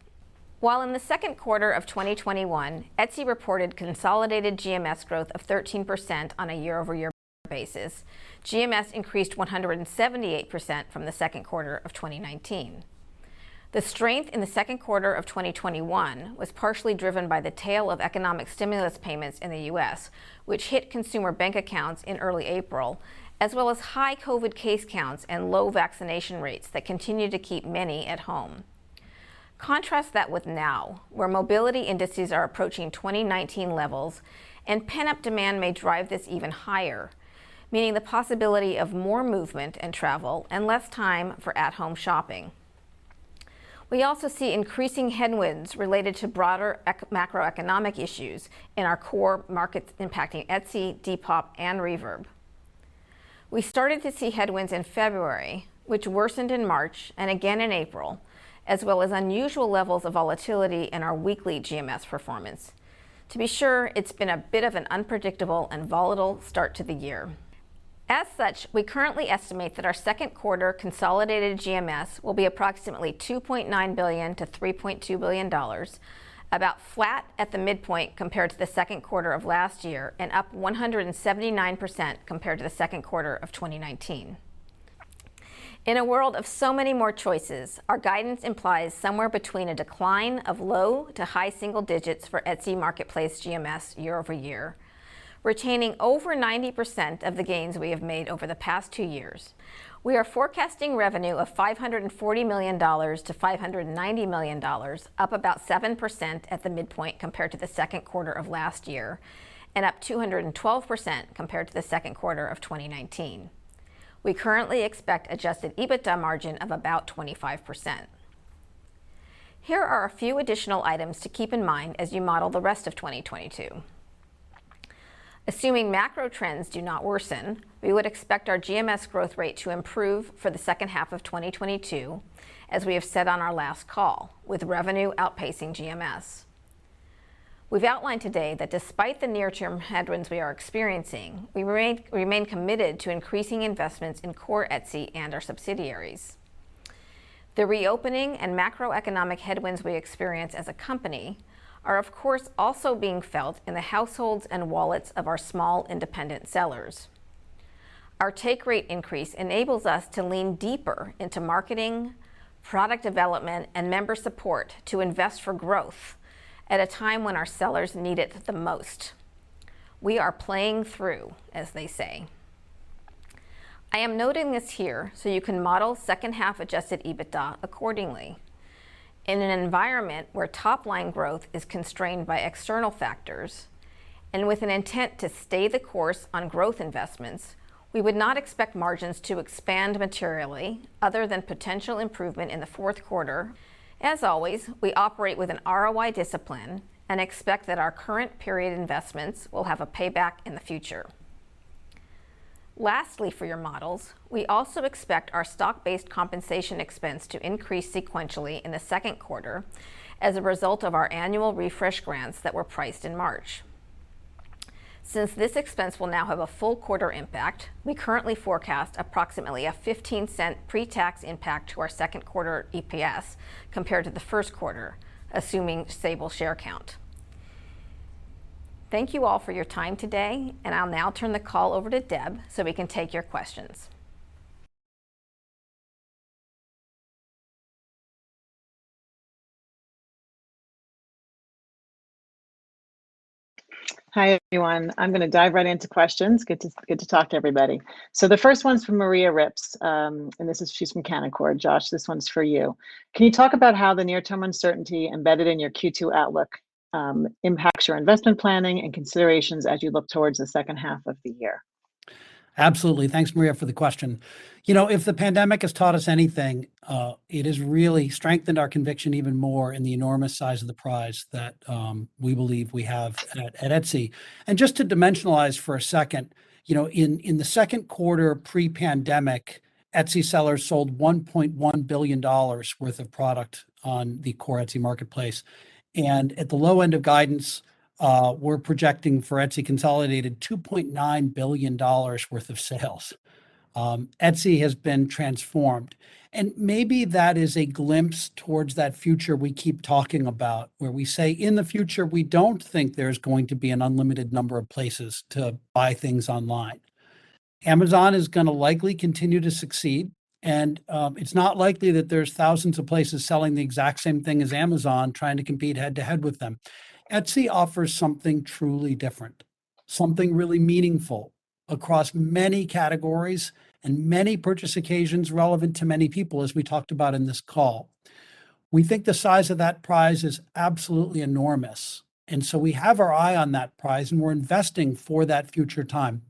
Speaker 4: While in the second quarter of 2021, Etsy reported consolidated GMS growth of 13% on a year-over-year basis, GMS increased 178% from the second quarter of 2019. The strength in the second quarter of 2021 was partially driven by the tail of economic stimulus payments in the U.S., which hit consumer bank accounts in early April, as well as high COVID-19 case counts and low vaccination rates that continued to keep many at home. Contrast that with now, where mobility indices are approaching 2019 levels and pent-up demand may drive this even higher, meaning the possibility of more movement and travel and less time for at-home shopping. We also see increasing headwinds related to broader economic and macroeconomic issues in our core markets impacting Etsy, Depop, and Reverb. We started to see headwinds in February, which worsened in March and again in April, as well as unusual levels of volatility in our weekly GMS performance. To be sure, it's been a bit of an unpredictable and volatile start to the year. As such, we currently estimate that our second quarter consolidated GMS will be approximately $2.9 billion-$3.2 billion, about flat at the midpoint compared to the second quarter of last year and up 179% compared to the second quarter of 2019. In a world of so many more choices, our guidance implies somewhere between a decline of low- to high-single-digit % for Etsy marketplace GMS year-over-year, retaining over 90% of the gains we have made over the past two years. We are forecasting revenue of $540 million-$590 million, up about 7% at the midpoint compared to the second quarter of last year, and up 212% compared to the second quarter of 2019. We currently expect Adjusted EBITDA margin of about 25%. Here are a few additional items to keep in mind as you model the rest of 2022. Assuming macro trends do not worsen, we would expect our GMS growth rate to improve for the second half of 2022, as we have said on our last call, with revenue outpacing GMS. We've outlined today that despite the near-term headwinds we are experiencing, we remain committed to increasing investments in core Etsy and our subsidiaries. The reopening and macroeconomic headwinds we experience as a company are, of course, also being felt in the households and wallets of our small independent sellers. Our take rate increase enables us to lean deeper into marketing, product development, and member support to invest for growth at a time when our sellers need it the most. We are playing through, as they say. I am noting this here so you can model second half Adjusted EBITDA accordingly. In an environment where top line growth is constrained by external factors, and with an intent to stay the course on growth investments, we would not expect margins to expand materially other than potential improvement in the fourth quarter. As always, we operate with an ROI discipline and expect that our current period investments will have a payback in the future. Lastly, for your models, we also expect our stock-based compensation expense to increase sequentially in the second quarter as a result of our annual refresh grants that were priced in March. Since this expense will now have a full quarter impact, we currently forecast approximately a $0.15 pre-tax impact to our second quarter EPS compared to the first quarter, assuming stable share count. Thank you all for your time today, and I'll now turn the call over to Deb, so we can take your questions.
Speaker 1: Hi, everyone. I'm gonna dive right into questions. Good to talk to everybody. The first one's from Maria Ripps, and she's from Canaccord. Josh, this one's for you. Can you talk about how the near-term uncertainty embedded in your Q2 outlook impacts your investment planning and considerations as you look towards the second half of the year?
Speaker 2: Absolutely. Thanks, Maria, for the question. You know, if the pandemic has taught us anything, it has really strengthened our conviction even more in the enormous size of the prize that we believe we have at Etsy. Just to dimensionalize for a second, you know, in the second quarter pre-pandemic, Etsy sellers sold $1.1 billion worth of product on the core Etsy marketplace. At the low end of guidance, we're projecting for Etsy consolidated $2.9 billion worth of sales. Etsy has been transformed, and maybe that is a glimpse towards that future we keep talking about, where we say, in the future, we don't think there's going to be an unlimited number of places to buy things online. Amazon is gonna likely continue to succeed, and it's not likely that there's thousands of places selling the exact same thing as Amazon trying to compete head to head with them. Etsy offers something truly different, something really meaningful across many categories and many purchase occasions relevant to many people, as we talked about in this call. We think the size of that prize is absolutely enormous, and so we have our eye on that prize, and we're investing for that future time.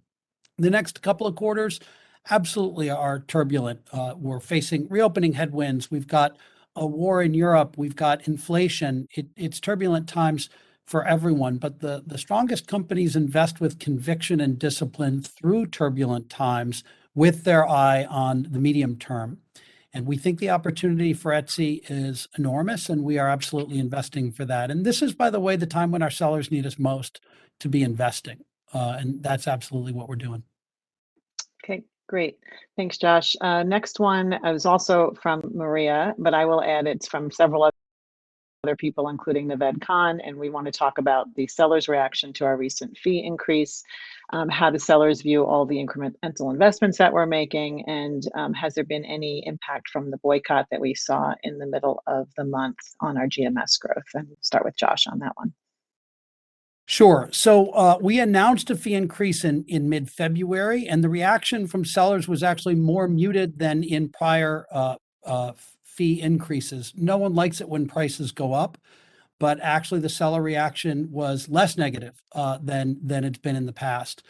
Speaker 2: The next couple of quarters absolutely are turbulent. We're facing reopening headwinds. We've got a war in Europe. We've got inflation. It's turbulent times for everyone, but the strongest companies invest with conviction and discipline through turbulent times with their eye on the medium term, and we think the opportunity for Etsy is enormous, and we are absolutely investing for that. This is, by the way, the time when our sellers need us most to be investing, and that's absolutely what we're doing.
Speaker 1: Okay. Great. Thanks, Josh. Next one is also from Maria, but I will add it's from several other people, including Nikhil Devnani, and we wanna talk about the sellers' reaction to our recent fee increase, how the sellers view all the incremental investments that we're making, and, has there been any impact from the boycott that we saw in the middle of the month on our GMS growth? Start with Josh on that one.
Speaker 2: Sure. We announced a fee increase in mid-February, and the reaction from sellers was actually more muted than in prior fee increases. No one likes it when prices go up, but actually the seller reaction was less negative than it's been in the past.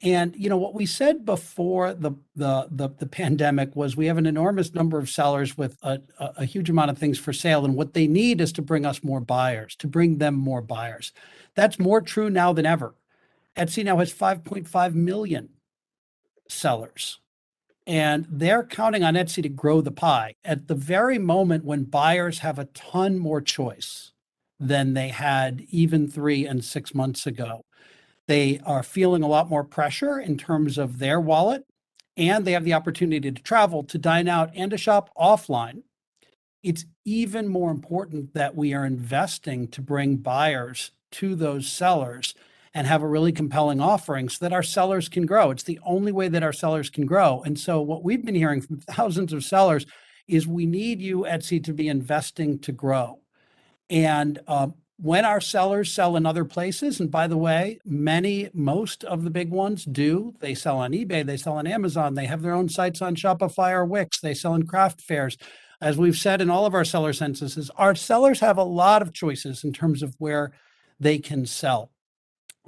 Speaker 2: You know, what we said before the pandemic was we have an enormous number of sellers with a huge amount of things for sale, and what they need is to bring us more buyers, to bring them more buyers. That's more true now than ever. Etsy now has 5.5 million sellers, and they're counting on Etsy to grow the pie. At the very moment when buyers have a ton more choice than they had even three and six months ago, they are feeling a lot more pressure in terms of their wallet, and they have the opportunity to travel, to dine out, and to shop offline. It's even more important that we are investing to bring buyers to those sellers and have a really compelling offering so that our sellers can grow. It's the only way that our sellers can grow. What we've been hearing from thousands of sellers is, "We need you, Etsy, to be investing to grow." When our sellers sell in other places, and by the way, many, most of the big ones do. They sell on eBay. They sell on Amazon. They have their own sites on Shopify or Wix. They sell in craft fairs. As we've said in all of our seller censuses, our sellers have a lot of choices in terms of where they can sell.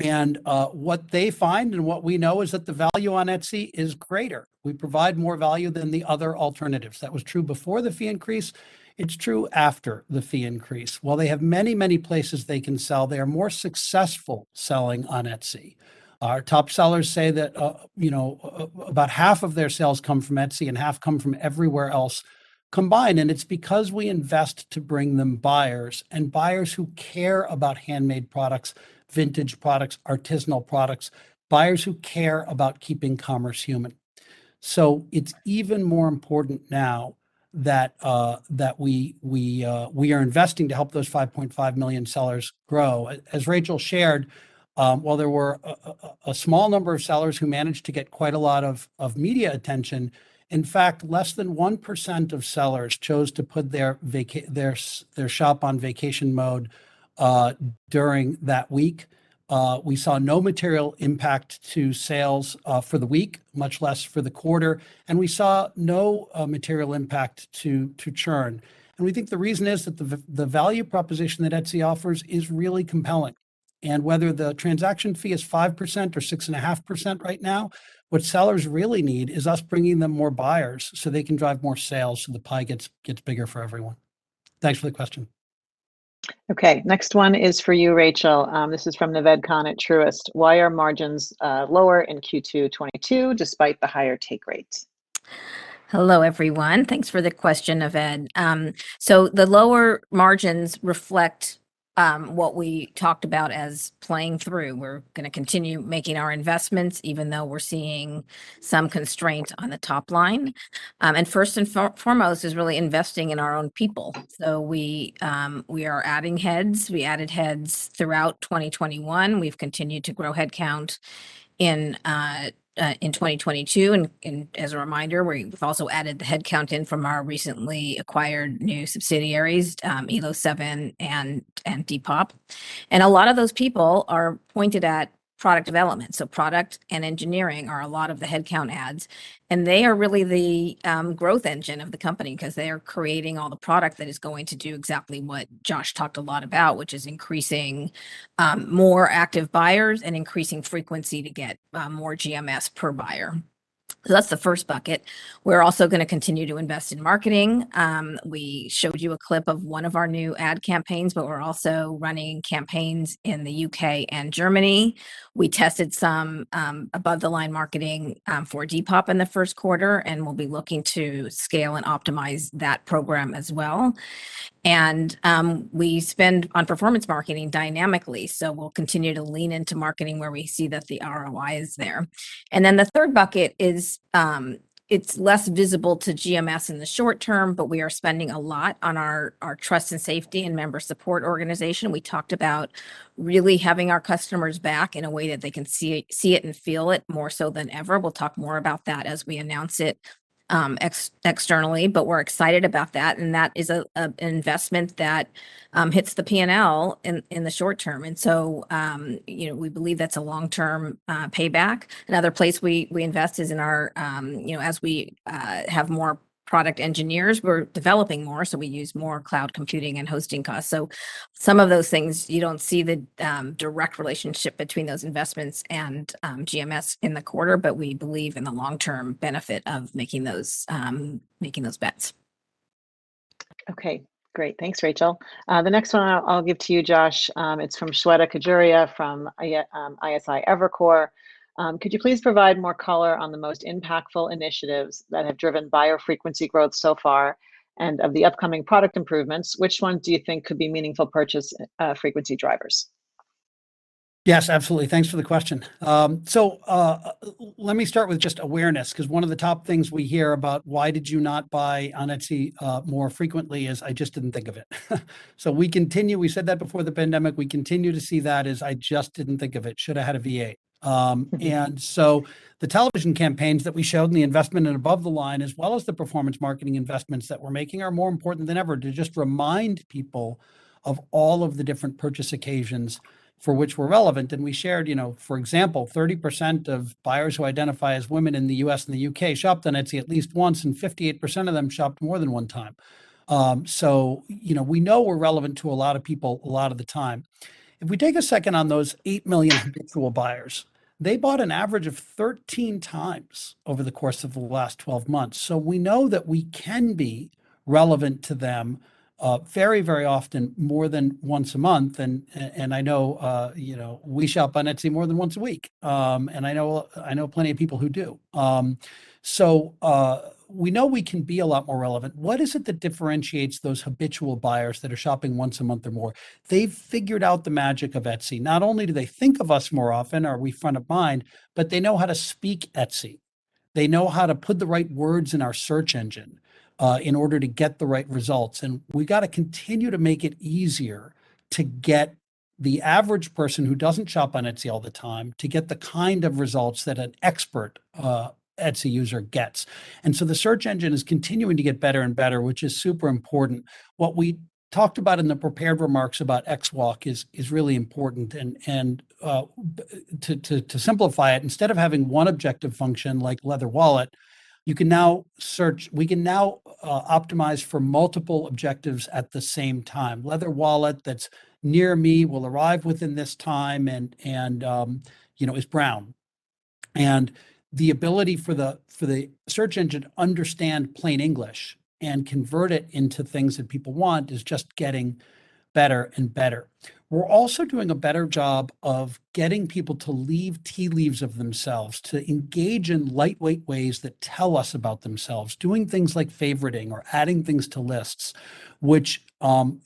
Speaker 2: What they find and what we know is that the value on Etsy is greater. We provide more value than the other alternatives. That was true before the fee increase. It's true after the fee increase. While they have many, many places they can sell, they are more successful selling on Etsy. Our top sellers say that, you know, about half of their sales come from Etsy and half come from everywhere else combined, and it's because we invest to bring them buyers and buyers who care about handmade products, vintage products, artisanal products, buyers who care about keeping commerce human. It's even more important now that we are investing to help those 5.5 million sellers grow. As Rachel shared, while there were a small number of sellers who managed to get quite a lot of media attention, in fact, less than 1% of sellers chose to put their shop on vacation mode during that week. We saw no material impact to sales for the week, much less for the quarter, and we saw no material impact to churn. We think the reason is that the value proposition that Etsy offers is really compelling. Whether the transaction fee is 5% or 6.5% right now, what sellers really need is us bringing them more buyers so they can drive more sales so the pie gets bigger for everyone. Thanks for the question.
Speaker 1: Okay, next one is for you, Rachel. This is from Nikhil Devnani at Truist. Why are margins lower in Q2 2022 despite the higher take rates?
Speaker 4: Hello, everyone. Thanks for the question, Nikhil Devnani. The lower margins reflect what we talked about as playing through. We're gonna continue making our investments even though we're seeing some constraints on the top line. First and foremost is really investing in our own people. We are adding heads. We added heads throughout 2021. We've continued to grow head count in 2022. As a reminder, we've also added the head count in from our recently acquired new subsidiaries, Elo7 and Depop. A lot of those people are pointed at product development, so product and engineering are a lot of the head count adds. They are really the growth engine of the company because they are creating all the product that is going to do exactly what Josh talked a lot about, which is increasing more active buyers and increasing frequency to get more GMS per buyer. That's the first bucket. We're also gonna continue to invest in marketing. We showed you a clip of one of our new ad campaigns, but we're also running campaigns in the U.K. and Germany. We tested some above-the-line marketing for Depop in the first quarter, and we'll be looking to scale and optimize that program as well. We spend on performance marketing dynamically, so we'll continue to lean into marketing where we see that the ROI is there. The third bucket is, it's less visible to GMS in the short term, but we are spending a lot on our trust and safety and member support organization. We talked about really having our customers' back in a way that they can see it and feel it more so than ever. We'll talk more about that as we announce it externally, but we're excited about that, and that is an investment that hits the PNL in the short term. You know, we believe that's a long-term payback. Another place we invest is in our, you know, as we have more product engineers, we're developing more, so we use more cloud computing and hosting costs. some of those things, you don't see the direct relationship between those investments and GMS in the quarter, but we believe in the long-term benefit of making those bets.
Speaker 1: Okay, great. Thanks, Rachel. The next one I'll give to you, Josh. It's from Shweta Khajuria from Evercore ISI. Could you please provide more color on the most impactful initiatives that have driven buyer frequency growth so far? And of the upcoming product improvements, which ones do you think could be meaningful purchase frequency drivers?
Speaker 2: Yes, absolutely. Thanks for the question. Let me start with just awareness, because one of the top things we hear about why did you not buy on Etsy more frequently is, "I just didn't think of it." We said that before the pandemic. We continue to see that as, "I just didn't think of it. Should've had a V8." The television campaigns that we showed and the investment in above the line, as well as the performance marketing investments that we're making, are more important than ever to just remind people of all of the different purchase occasions for which we're relevant. We shared, you know, for example, 30% of buyers who identify as women in the U.S. and the U.K. shopped on Etsy at least once, and 58% of them shopped more than one time. You know, we know we're relevant to a lot of people a lot of the time. If we take a second on those 8 million habitual buyers, they bought an average of 13 times over the course of the last 12 months. We know that we can be relevant to them, very, very often, more than once a month. I know, you know, we shop on Etsy more than once a week. I know plenty of people who do. We know we can be a lot more relevant. What is it that differentiates those habitual buyers that are shopping once a month or more? They've figured out the magic of Etsy. Not only do they think of us more often, are we front of mind, but they know how to speak Etsy. They know how to put the right words in our search engine in order to get the right results. We gotta continue to make it easier to get the average person who doesn't shop on Etsy all the time to get the kind of results that an expert Etsy user gets. The search engine is continuing to get better and better, which is super important. What we talked about in the prepared remarks about XWalk is really important. To simplify it, instead of having one objective function like leather wallet, we can now optimize for multiple objectives at the same time. Leather wallet that's near me, will arrive within this time, and you know, is brown. The ability for the search engine to understand plain English and convert it into things that people want is just getting better and better. We're also doing a better job of getting people to leave traces of themselves, to engage in lightweight ways that tell us about themselves, doing things like favoriting or adding things to lists, which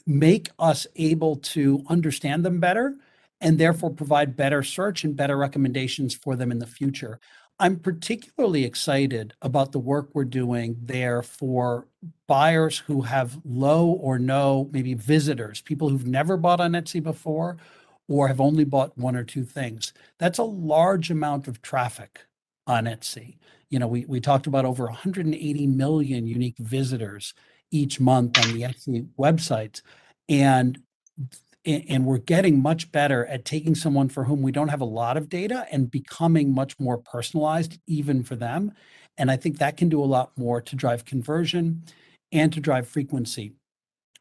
Speaker 2: make us able to understand them better and therefore provide better search and better recommendations for them in the future. I'm particularly excited about the work we're doing there for buyers who have low or no visitors, people who've never bought on Etsy before or have only bought one or two things. That's a large amount of traffic on Etsy. You know, we talked about over 180 million unique visitors each month on Etsy websites. We're getting much better at taking someone for whom we don't have a lot of data and becoming much more personalized even for them, and I think that can do a lot more to drive conversion and to drive frequency.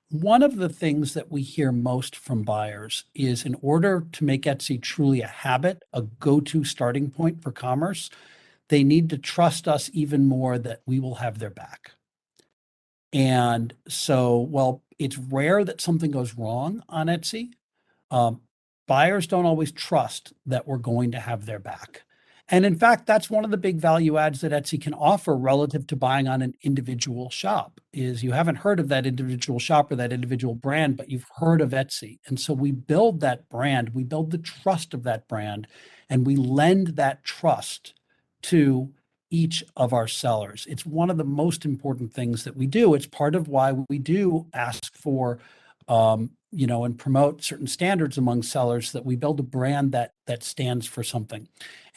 Speaker 2: One of the things that we hear most from buyers is in order to make Etsy truly a habit, a go-to starting point for commerce, they need to trust us even more that we will have their back. While it's rare that something goes wrong on Etsy, buyers don't always trust that we're going to have their back. In fact, that's one of the big value adds that Etsy can offer relative to buying on an individual shop, is you haven't heard of that individual shop or that individual brand, but you've heard of Etsy. We build that brand. We build the trust of that brand, and we lend that trust to each of our sellers. It's one of the most important things that we do. It's part of why we do ask for, you know, and promote certain standards among sellers, that we build a brand that stands for something.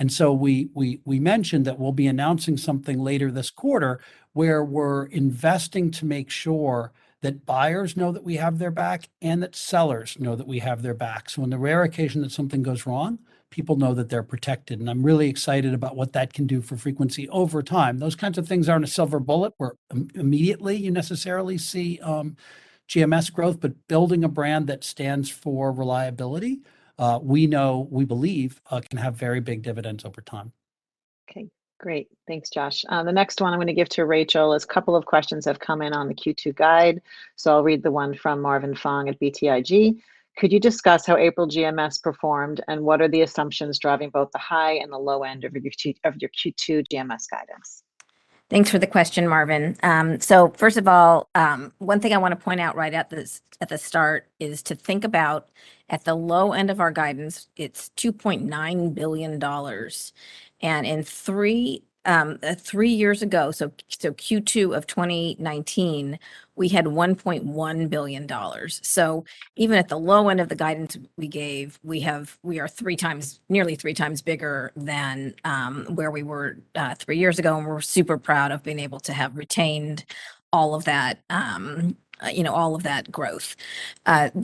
Speaker 2: We mentioned that we'll be announcing something later this quarter where we're investing to make sure that buyers know that we have their back and that sellers know that we have their back. On the rare occasion that something goes wrong, people know that they're protected, and I'm really excited about what that can do for frequency over time. Those kinds of things aren't a silver bullet where immediately you necessarily see GMS growth, but building a brand that stands for reliability, we know, we believe, can have very big dividends over time.
Speaker 1: Okay. Great. Thanks, Josh. The next one I'm gonna give to Rachel. A couple of questions have come in on the Q2 guide, so I'll read the one from Marvin Fong at BTIG. Could you discuss how April GMS performed and what are the assumptions driving both the high and the low end of your Q2 GMS guidance?
Speaker 4: Thanks for the question, Marvin. First of all, one thing I wanna point out right at the start is to think about at the low end of our guidance, it's $2.9 billion. In three years ago, so Q2 of 2019, we had $1.1 billion. Even at the low end of the guidance we gave, we are three times, nearly three times bigger than where we were three years ago, and we're super proud of being able to have retained all of that, you know, all of that growth.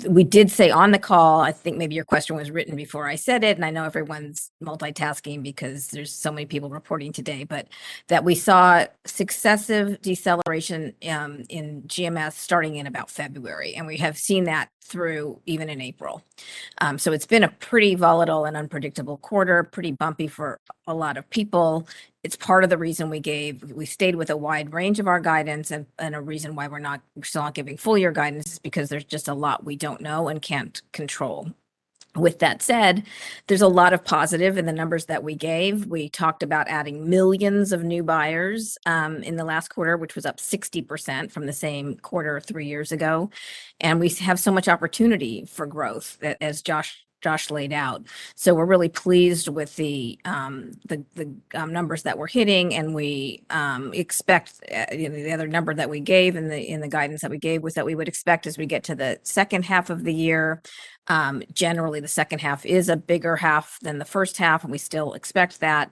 Speaker 4: We did say on the call, I think maybe your question was written before I said it, and I know everyone's multitasking because there's so many people reporting today, but that we saw successive deceleration in GMS starting in about February, and we have seen that through even in April. So it's been a pretty volatile and unpredictable quarter, pretty bumpy for a lot of people. It's part of the reason we stayed with a wide range of our guidance and a reason why we're still not giving full year guidance is because there's just a lot we don't know and can't control. With that said, there's a lot of positive in the numbers that we gave. We talked about adding millions of new buyers in the last quarter, which was up 60% from the same quarter three years ago, and we have so much opportunity for growth, as Josh laid out. We're really pleased with the numbers that we're hitting, and we expect, you know, the other number that we gave and the guidance that we gave was that we would expect as we get to the second half of the year, generally the second half is a bigger half than the first half, and we still expect that.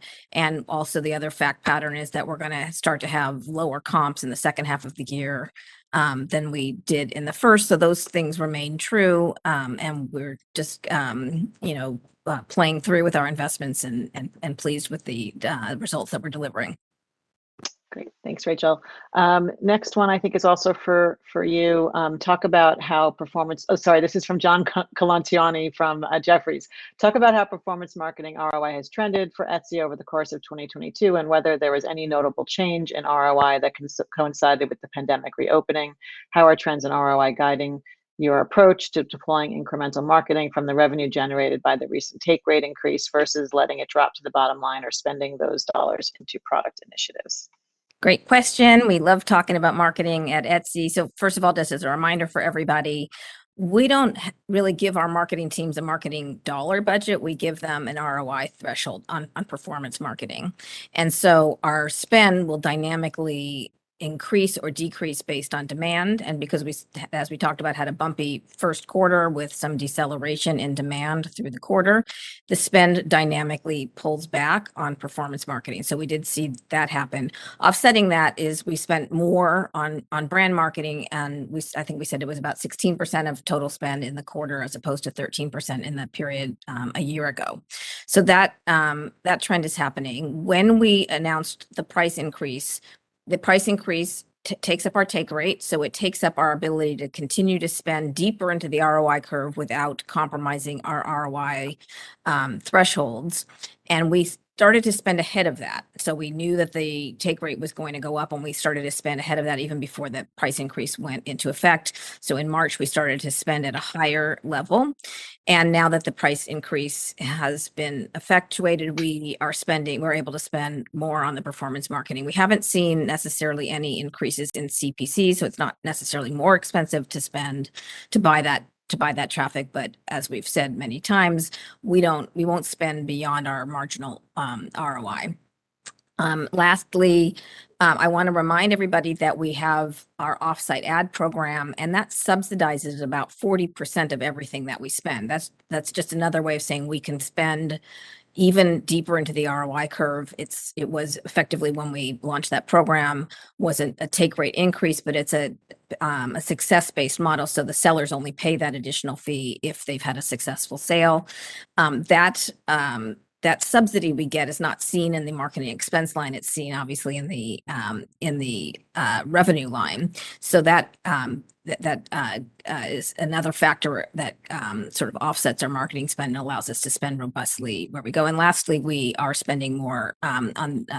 Speaker 4: The other fact pattern is that we're gonna start to have lower comps in the second half of the year than we did in the first. Those things remain true. We're just, you know, playing through with our investments and pleased with the results that we're delivering.
Speaker 1: Great. Thanks, Rachel. Next one I think is also for you. This is from John Colantuoni from Jefferies. Talk about how performance marketing ROI has trended for Etsy over the course of 2022, and whether there was any notable change in ROI coinciding with the pandemic reopening. How are trends in ROI guiding your approach to deploying incremental marketing from the revenue generated by the recent take rate increase versus letting it drop to the bottom line or spending those dollars into product initiatives?
Speaker 4: Great question. We love talking about marketing at Etsy. First of all, just as a reminder for everybody, we don't really give our marketing teams a marketing dollar budget, we give them an ROI threshold on performance marketing. Our spend will dynamically increase or decrease based on demand. Because we, as we talked about, had a bumpy first quarter with some deceleration in demand through the quarter, the spend dynamically pulls back on performance marketing. We did see that happen. Offsetting that is we spent more on brand marketing and I think we said it was about 16% of total spend in the quarter as opposed to 13% in the period a year ago. That trend is happening. When we announced the price increase, the price increase takes up our take rate, so it takes up our ability to continue to spend deeper into the ROI curve without compromising our ROI thresholds, and we started to spend ahead of that. We knew that the take rate was going to go up and we started to spend ahead of that even before the price increase went into effect. In March, we started to spend at a higher level, and now that the price increase has been effectuated, we are spending, we're able to spend more on the performance marketing. We haven't seen necessarily any increases in CPC, so it's not necessarily more expensive to spend to buy that traffic. As we've said many times, we don't, we won't spend beyond our marginal ROI. Lastly, I wanna remind everybody that we have our Offsite Ads, and that subsidizes about 40% of everything that we spend. That's just another way of saying we can spend even deeper into the ROI curve. It was effectively when we launched that program, wasn't a take rate increase, but it's a success-based model, so the sellers only pay that additional fee if they've had a successful sale. That subsidy we get is not seen in the marketing expense line. It's seen obviously in the revenue line. So that is another factor that sort of offsets our marketing spend and allows us to spend robustly where we go. Lastly, we are spending more.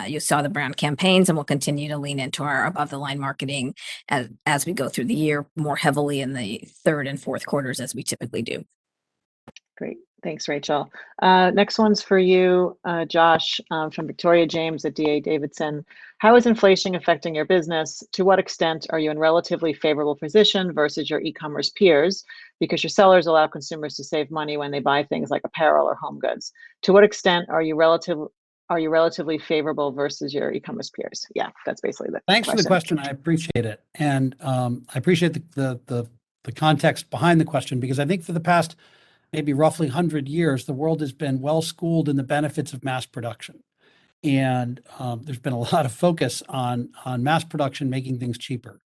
Speaker 4: You saw the brand campaigns, and we'll continue to lean into our above the line marketing as we go through the year more heavily in the third and fourth quarters as we typically do.
Speaker 1: Great. Thanks, Rachel. Next one's for you, Josh, from Tom Forte at D.A. Davidson. How is inflation affecting your business? To what extent are you in relatively favorable position versus your e-commerce peers? Because your sellers allow consumers to save money when they buy things like apparel or home goods. To what extent are you relatively favorable versus your e-commerce peers? Yeah, that's basically the question.
Speaker 2: Thanks for the question. I appreciate it. I appreciate the context behind the question because I think for the past, maybe roughly 100 years, the world has been well-schooled in the benefits of mass production. There's been a lot of focus on mass production making things cheaper.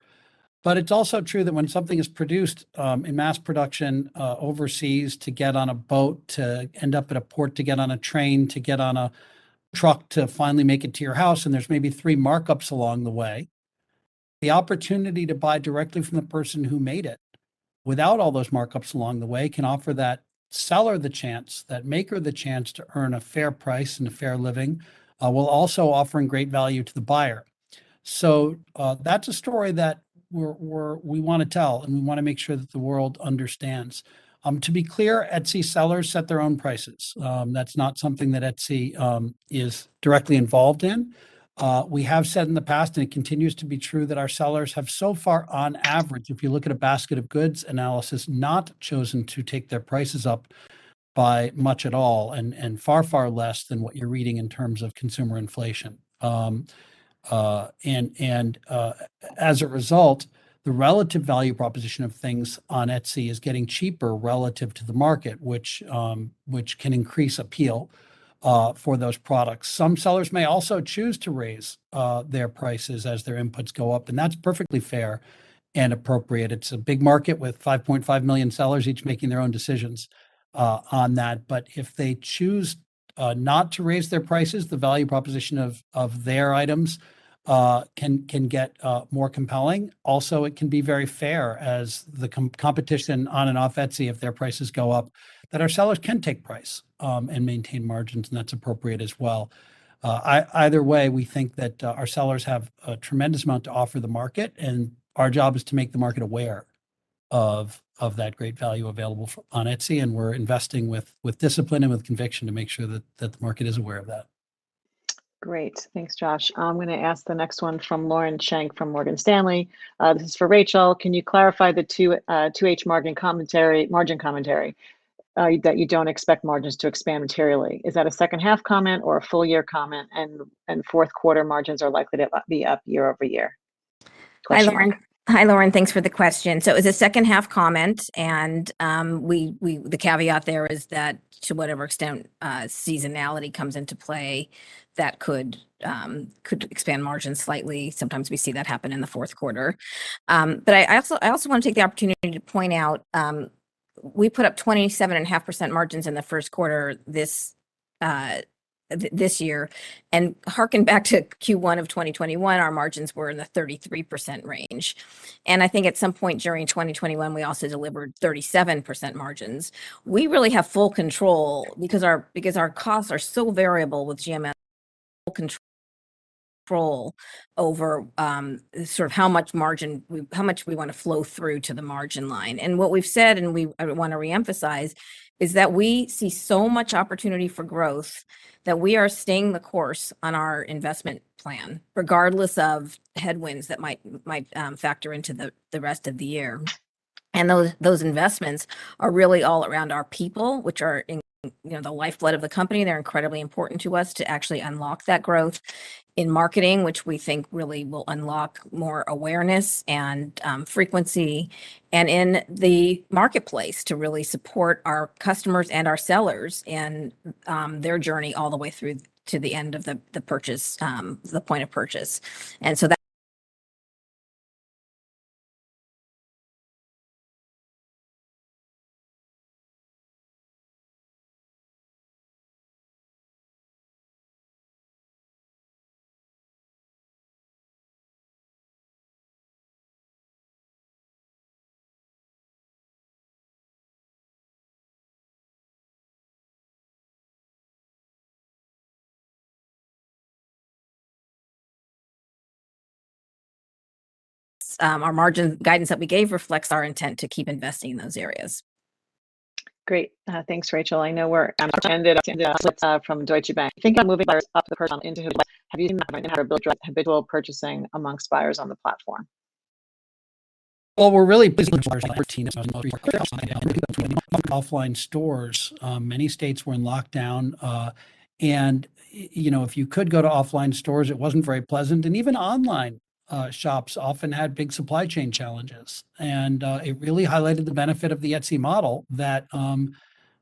Speaker 2: It's also true that when something is produced in mass production overseas to get on a boat, to end up at a port, to get on a train, to get on a truck, to finally make it to your house, and there's maybe three markups along the way, the opportunity to buy directly from the person who made it without all those markups along the way can offer that seller the chance, that maker the chance to earn a fair price and a fair living while also offering great value to the buyer. That's a story that we wanna tell, and we wanna make sure that the world understands. To be clear, Etsy sellers set their own prices. That's not something that Etsy is directly involved in. We have said in the past, and it continues to be true, that our sellers have so far on average, if you look at a basket of goods analysis, not chosen to take their prices up by much at all, and far less than what you're reading in terms of consumer inflation. As a result, the relative value proposition of things on Etsy is getting cheaper relative to the market, which can increase appeal for those products. Some sellers may also choose to raise their prices as their inputs go up, and that's perfectly fair and appropriate. It's a big market with 5.5 million sellers each making their own decisions on that. If they choose not to raise their prices, the value proposition of their items can get more compelling. Also, it can be very fierce as the competition on and off Etsy, if their prices go up, that our sellers can take price and maintain margins, and that's appropriate as well. Either way, we think that our sellers have a tremendous amount to offer the market, and our job is to make the market aware of that great value available on Etsy, and we're investing with discipline and with conviction to make sure that the market is aware of that.
Speaker 1: Great. Thanks, Josh. I'm gonna ask the next one from Lauren Schenk from Morgan Stanley. This is for Rachel. Can you clarify the 2H margin commentary that you don't expect margins to expand materially? Is that a second-half comment or a full-year comment and fourth quarter margins are likely to be up year-over-year?
Speaker 4: Hi, Lauren. Thanks for the question. It's a second-half comment, and the caveat there is that to whatever extent seasonality comes into play, that could expand margins slightly. Sometimes we see that happen in the fourth quarter. I also want to take the opportunity to point out we put up 27.5% margins in the first quarter this year. Hearken back to Q1 of 2021, our margins were in the 33% range. I think at some point during 2021, we also delivered 37% margins. We really have full control because our costs are so variable with GMS, full control over sort of how much margin we wanna flow through to the margin line. What we've said, we wanna reemphasize, is that we see so much opportunity for growth that we are staying the course on our investment plan, regardless of headwinds that might factor into the rest of the year. Those investments are really all around our people, which are, you know, the lifeblood of the company. They're incredibly important to us to actually unlock that growth in marketing, which we think really will unlock more awareness and frequency and in the marketplace to really support our customers and our sellers in their journey all the way through to the end of the purchase, the point of purchase. That's our margin guidance that we gave reflects our intent to keep investing in those areas.
Speaker 1: Great. Thanks, Rachel. I know we're from Deutsche Bank. Think about moving buyers up the funnel. Who have you seen having individual purchasing amongst buyers on the platform?
Speaker 2: Well, we really missed offline stores. Many states were in lockdown, and you know, if you could go to offline stores, it wasn't very pleasant. Even online, shops often had big supply chain challenges. It really highlighted the benefit of the Etsy model that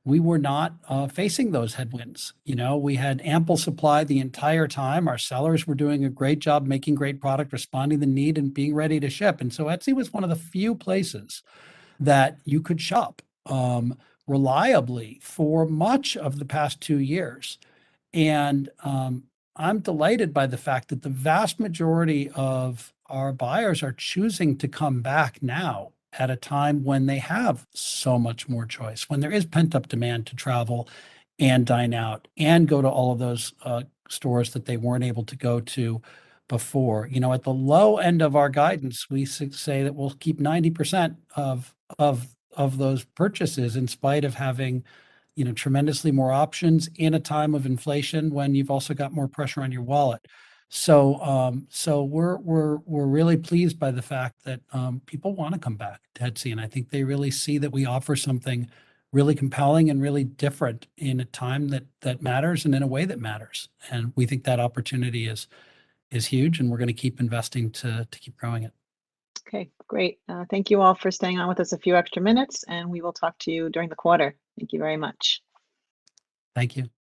Speaker 2: we were not facing those headwinds. You know, we had ample supply the entire time. Our sellers were doing a great job making great product, responding to need, and being ready to ship. Etsy was one of the few places that you could shop reliably for much of the past two years. I'm delighted by the fact that the vast majority of our buyers are choosing to come back now at a time when they have so much more choice, when there is pent-up demand to travel and dine out and go to all of those stores that they weren't able to go to before. You know, at the low end of our guidance, we say that we'll keep 90% of those purchases in spite of having, you know, tremendously more options in a time of inflation when you've also got more pressure on your wallet. We're really pleased by the fact that people wanna come back to Etsy, and I think they really see that we offer something really compelling and really different in a time that matters and in a way that matters. We think that opportunity is huge, and we're gonna keep investing to keep growing it.
Speaker 1: Okay, great. Thank you all for staying on with us a few extra minutes, and we will talk to you during the quarter. Thank you very much.
Speaker 2: Thank you.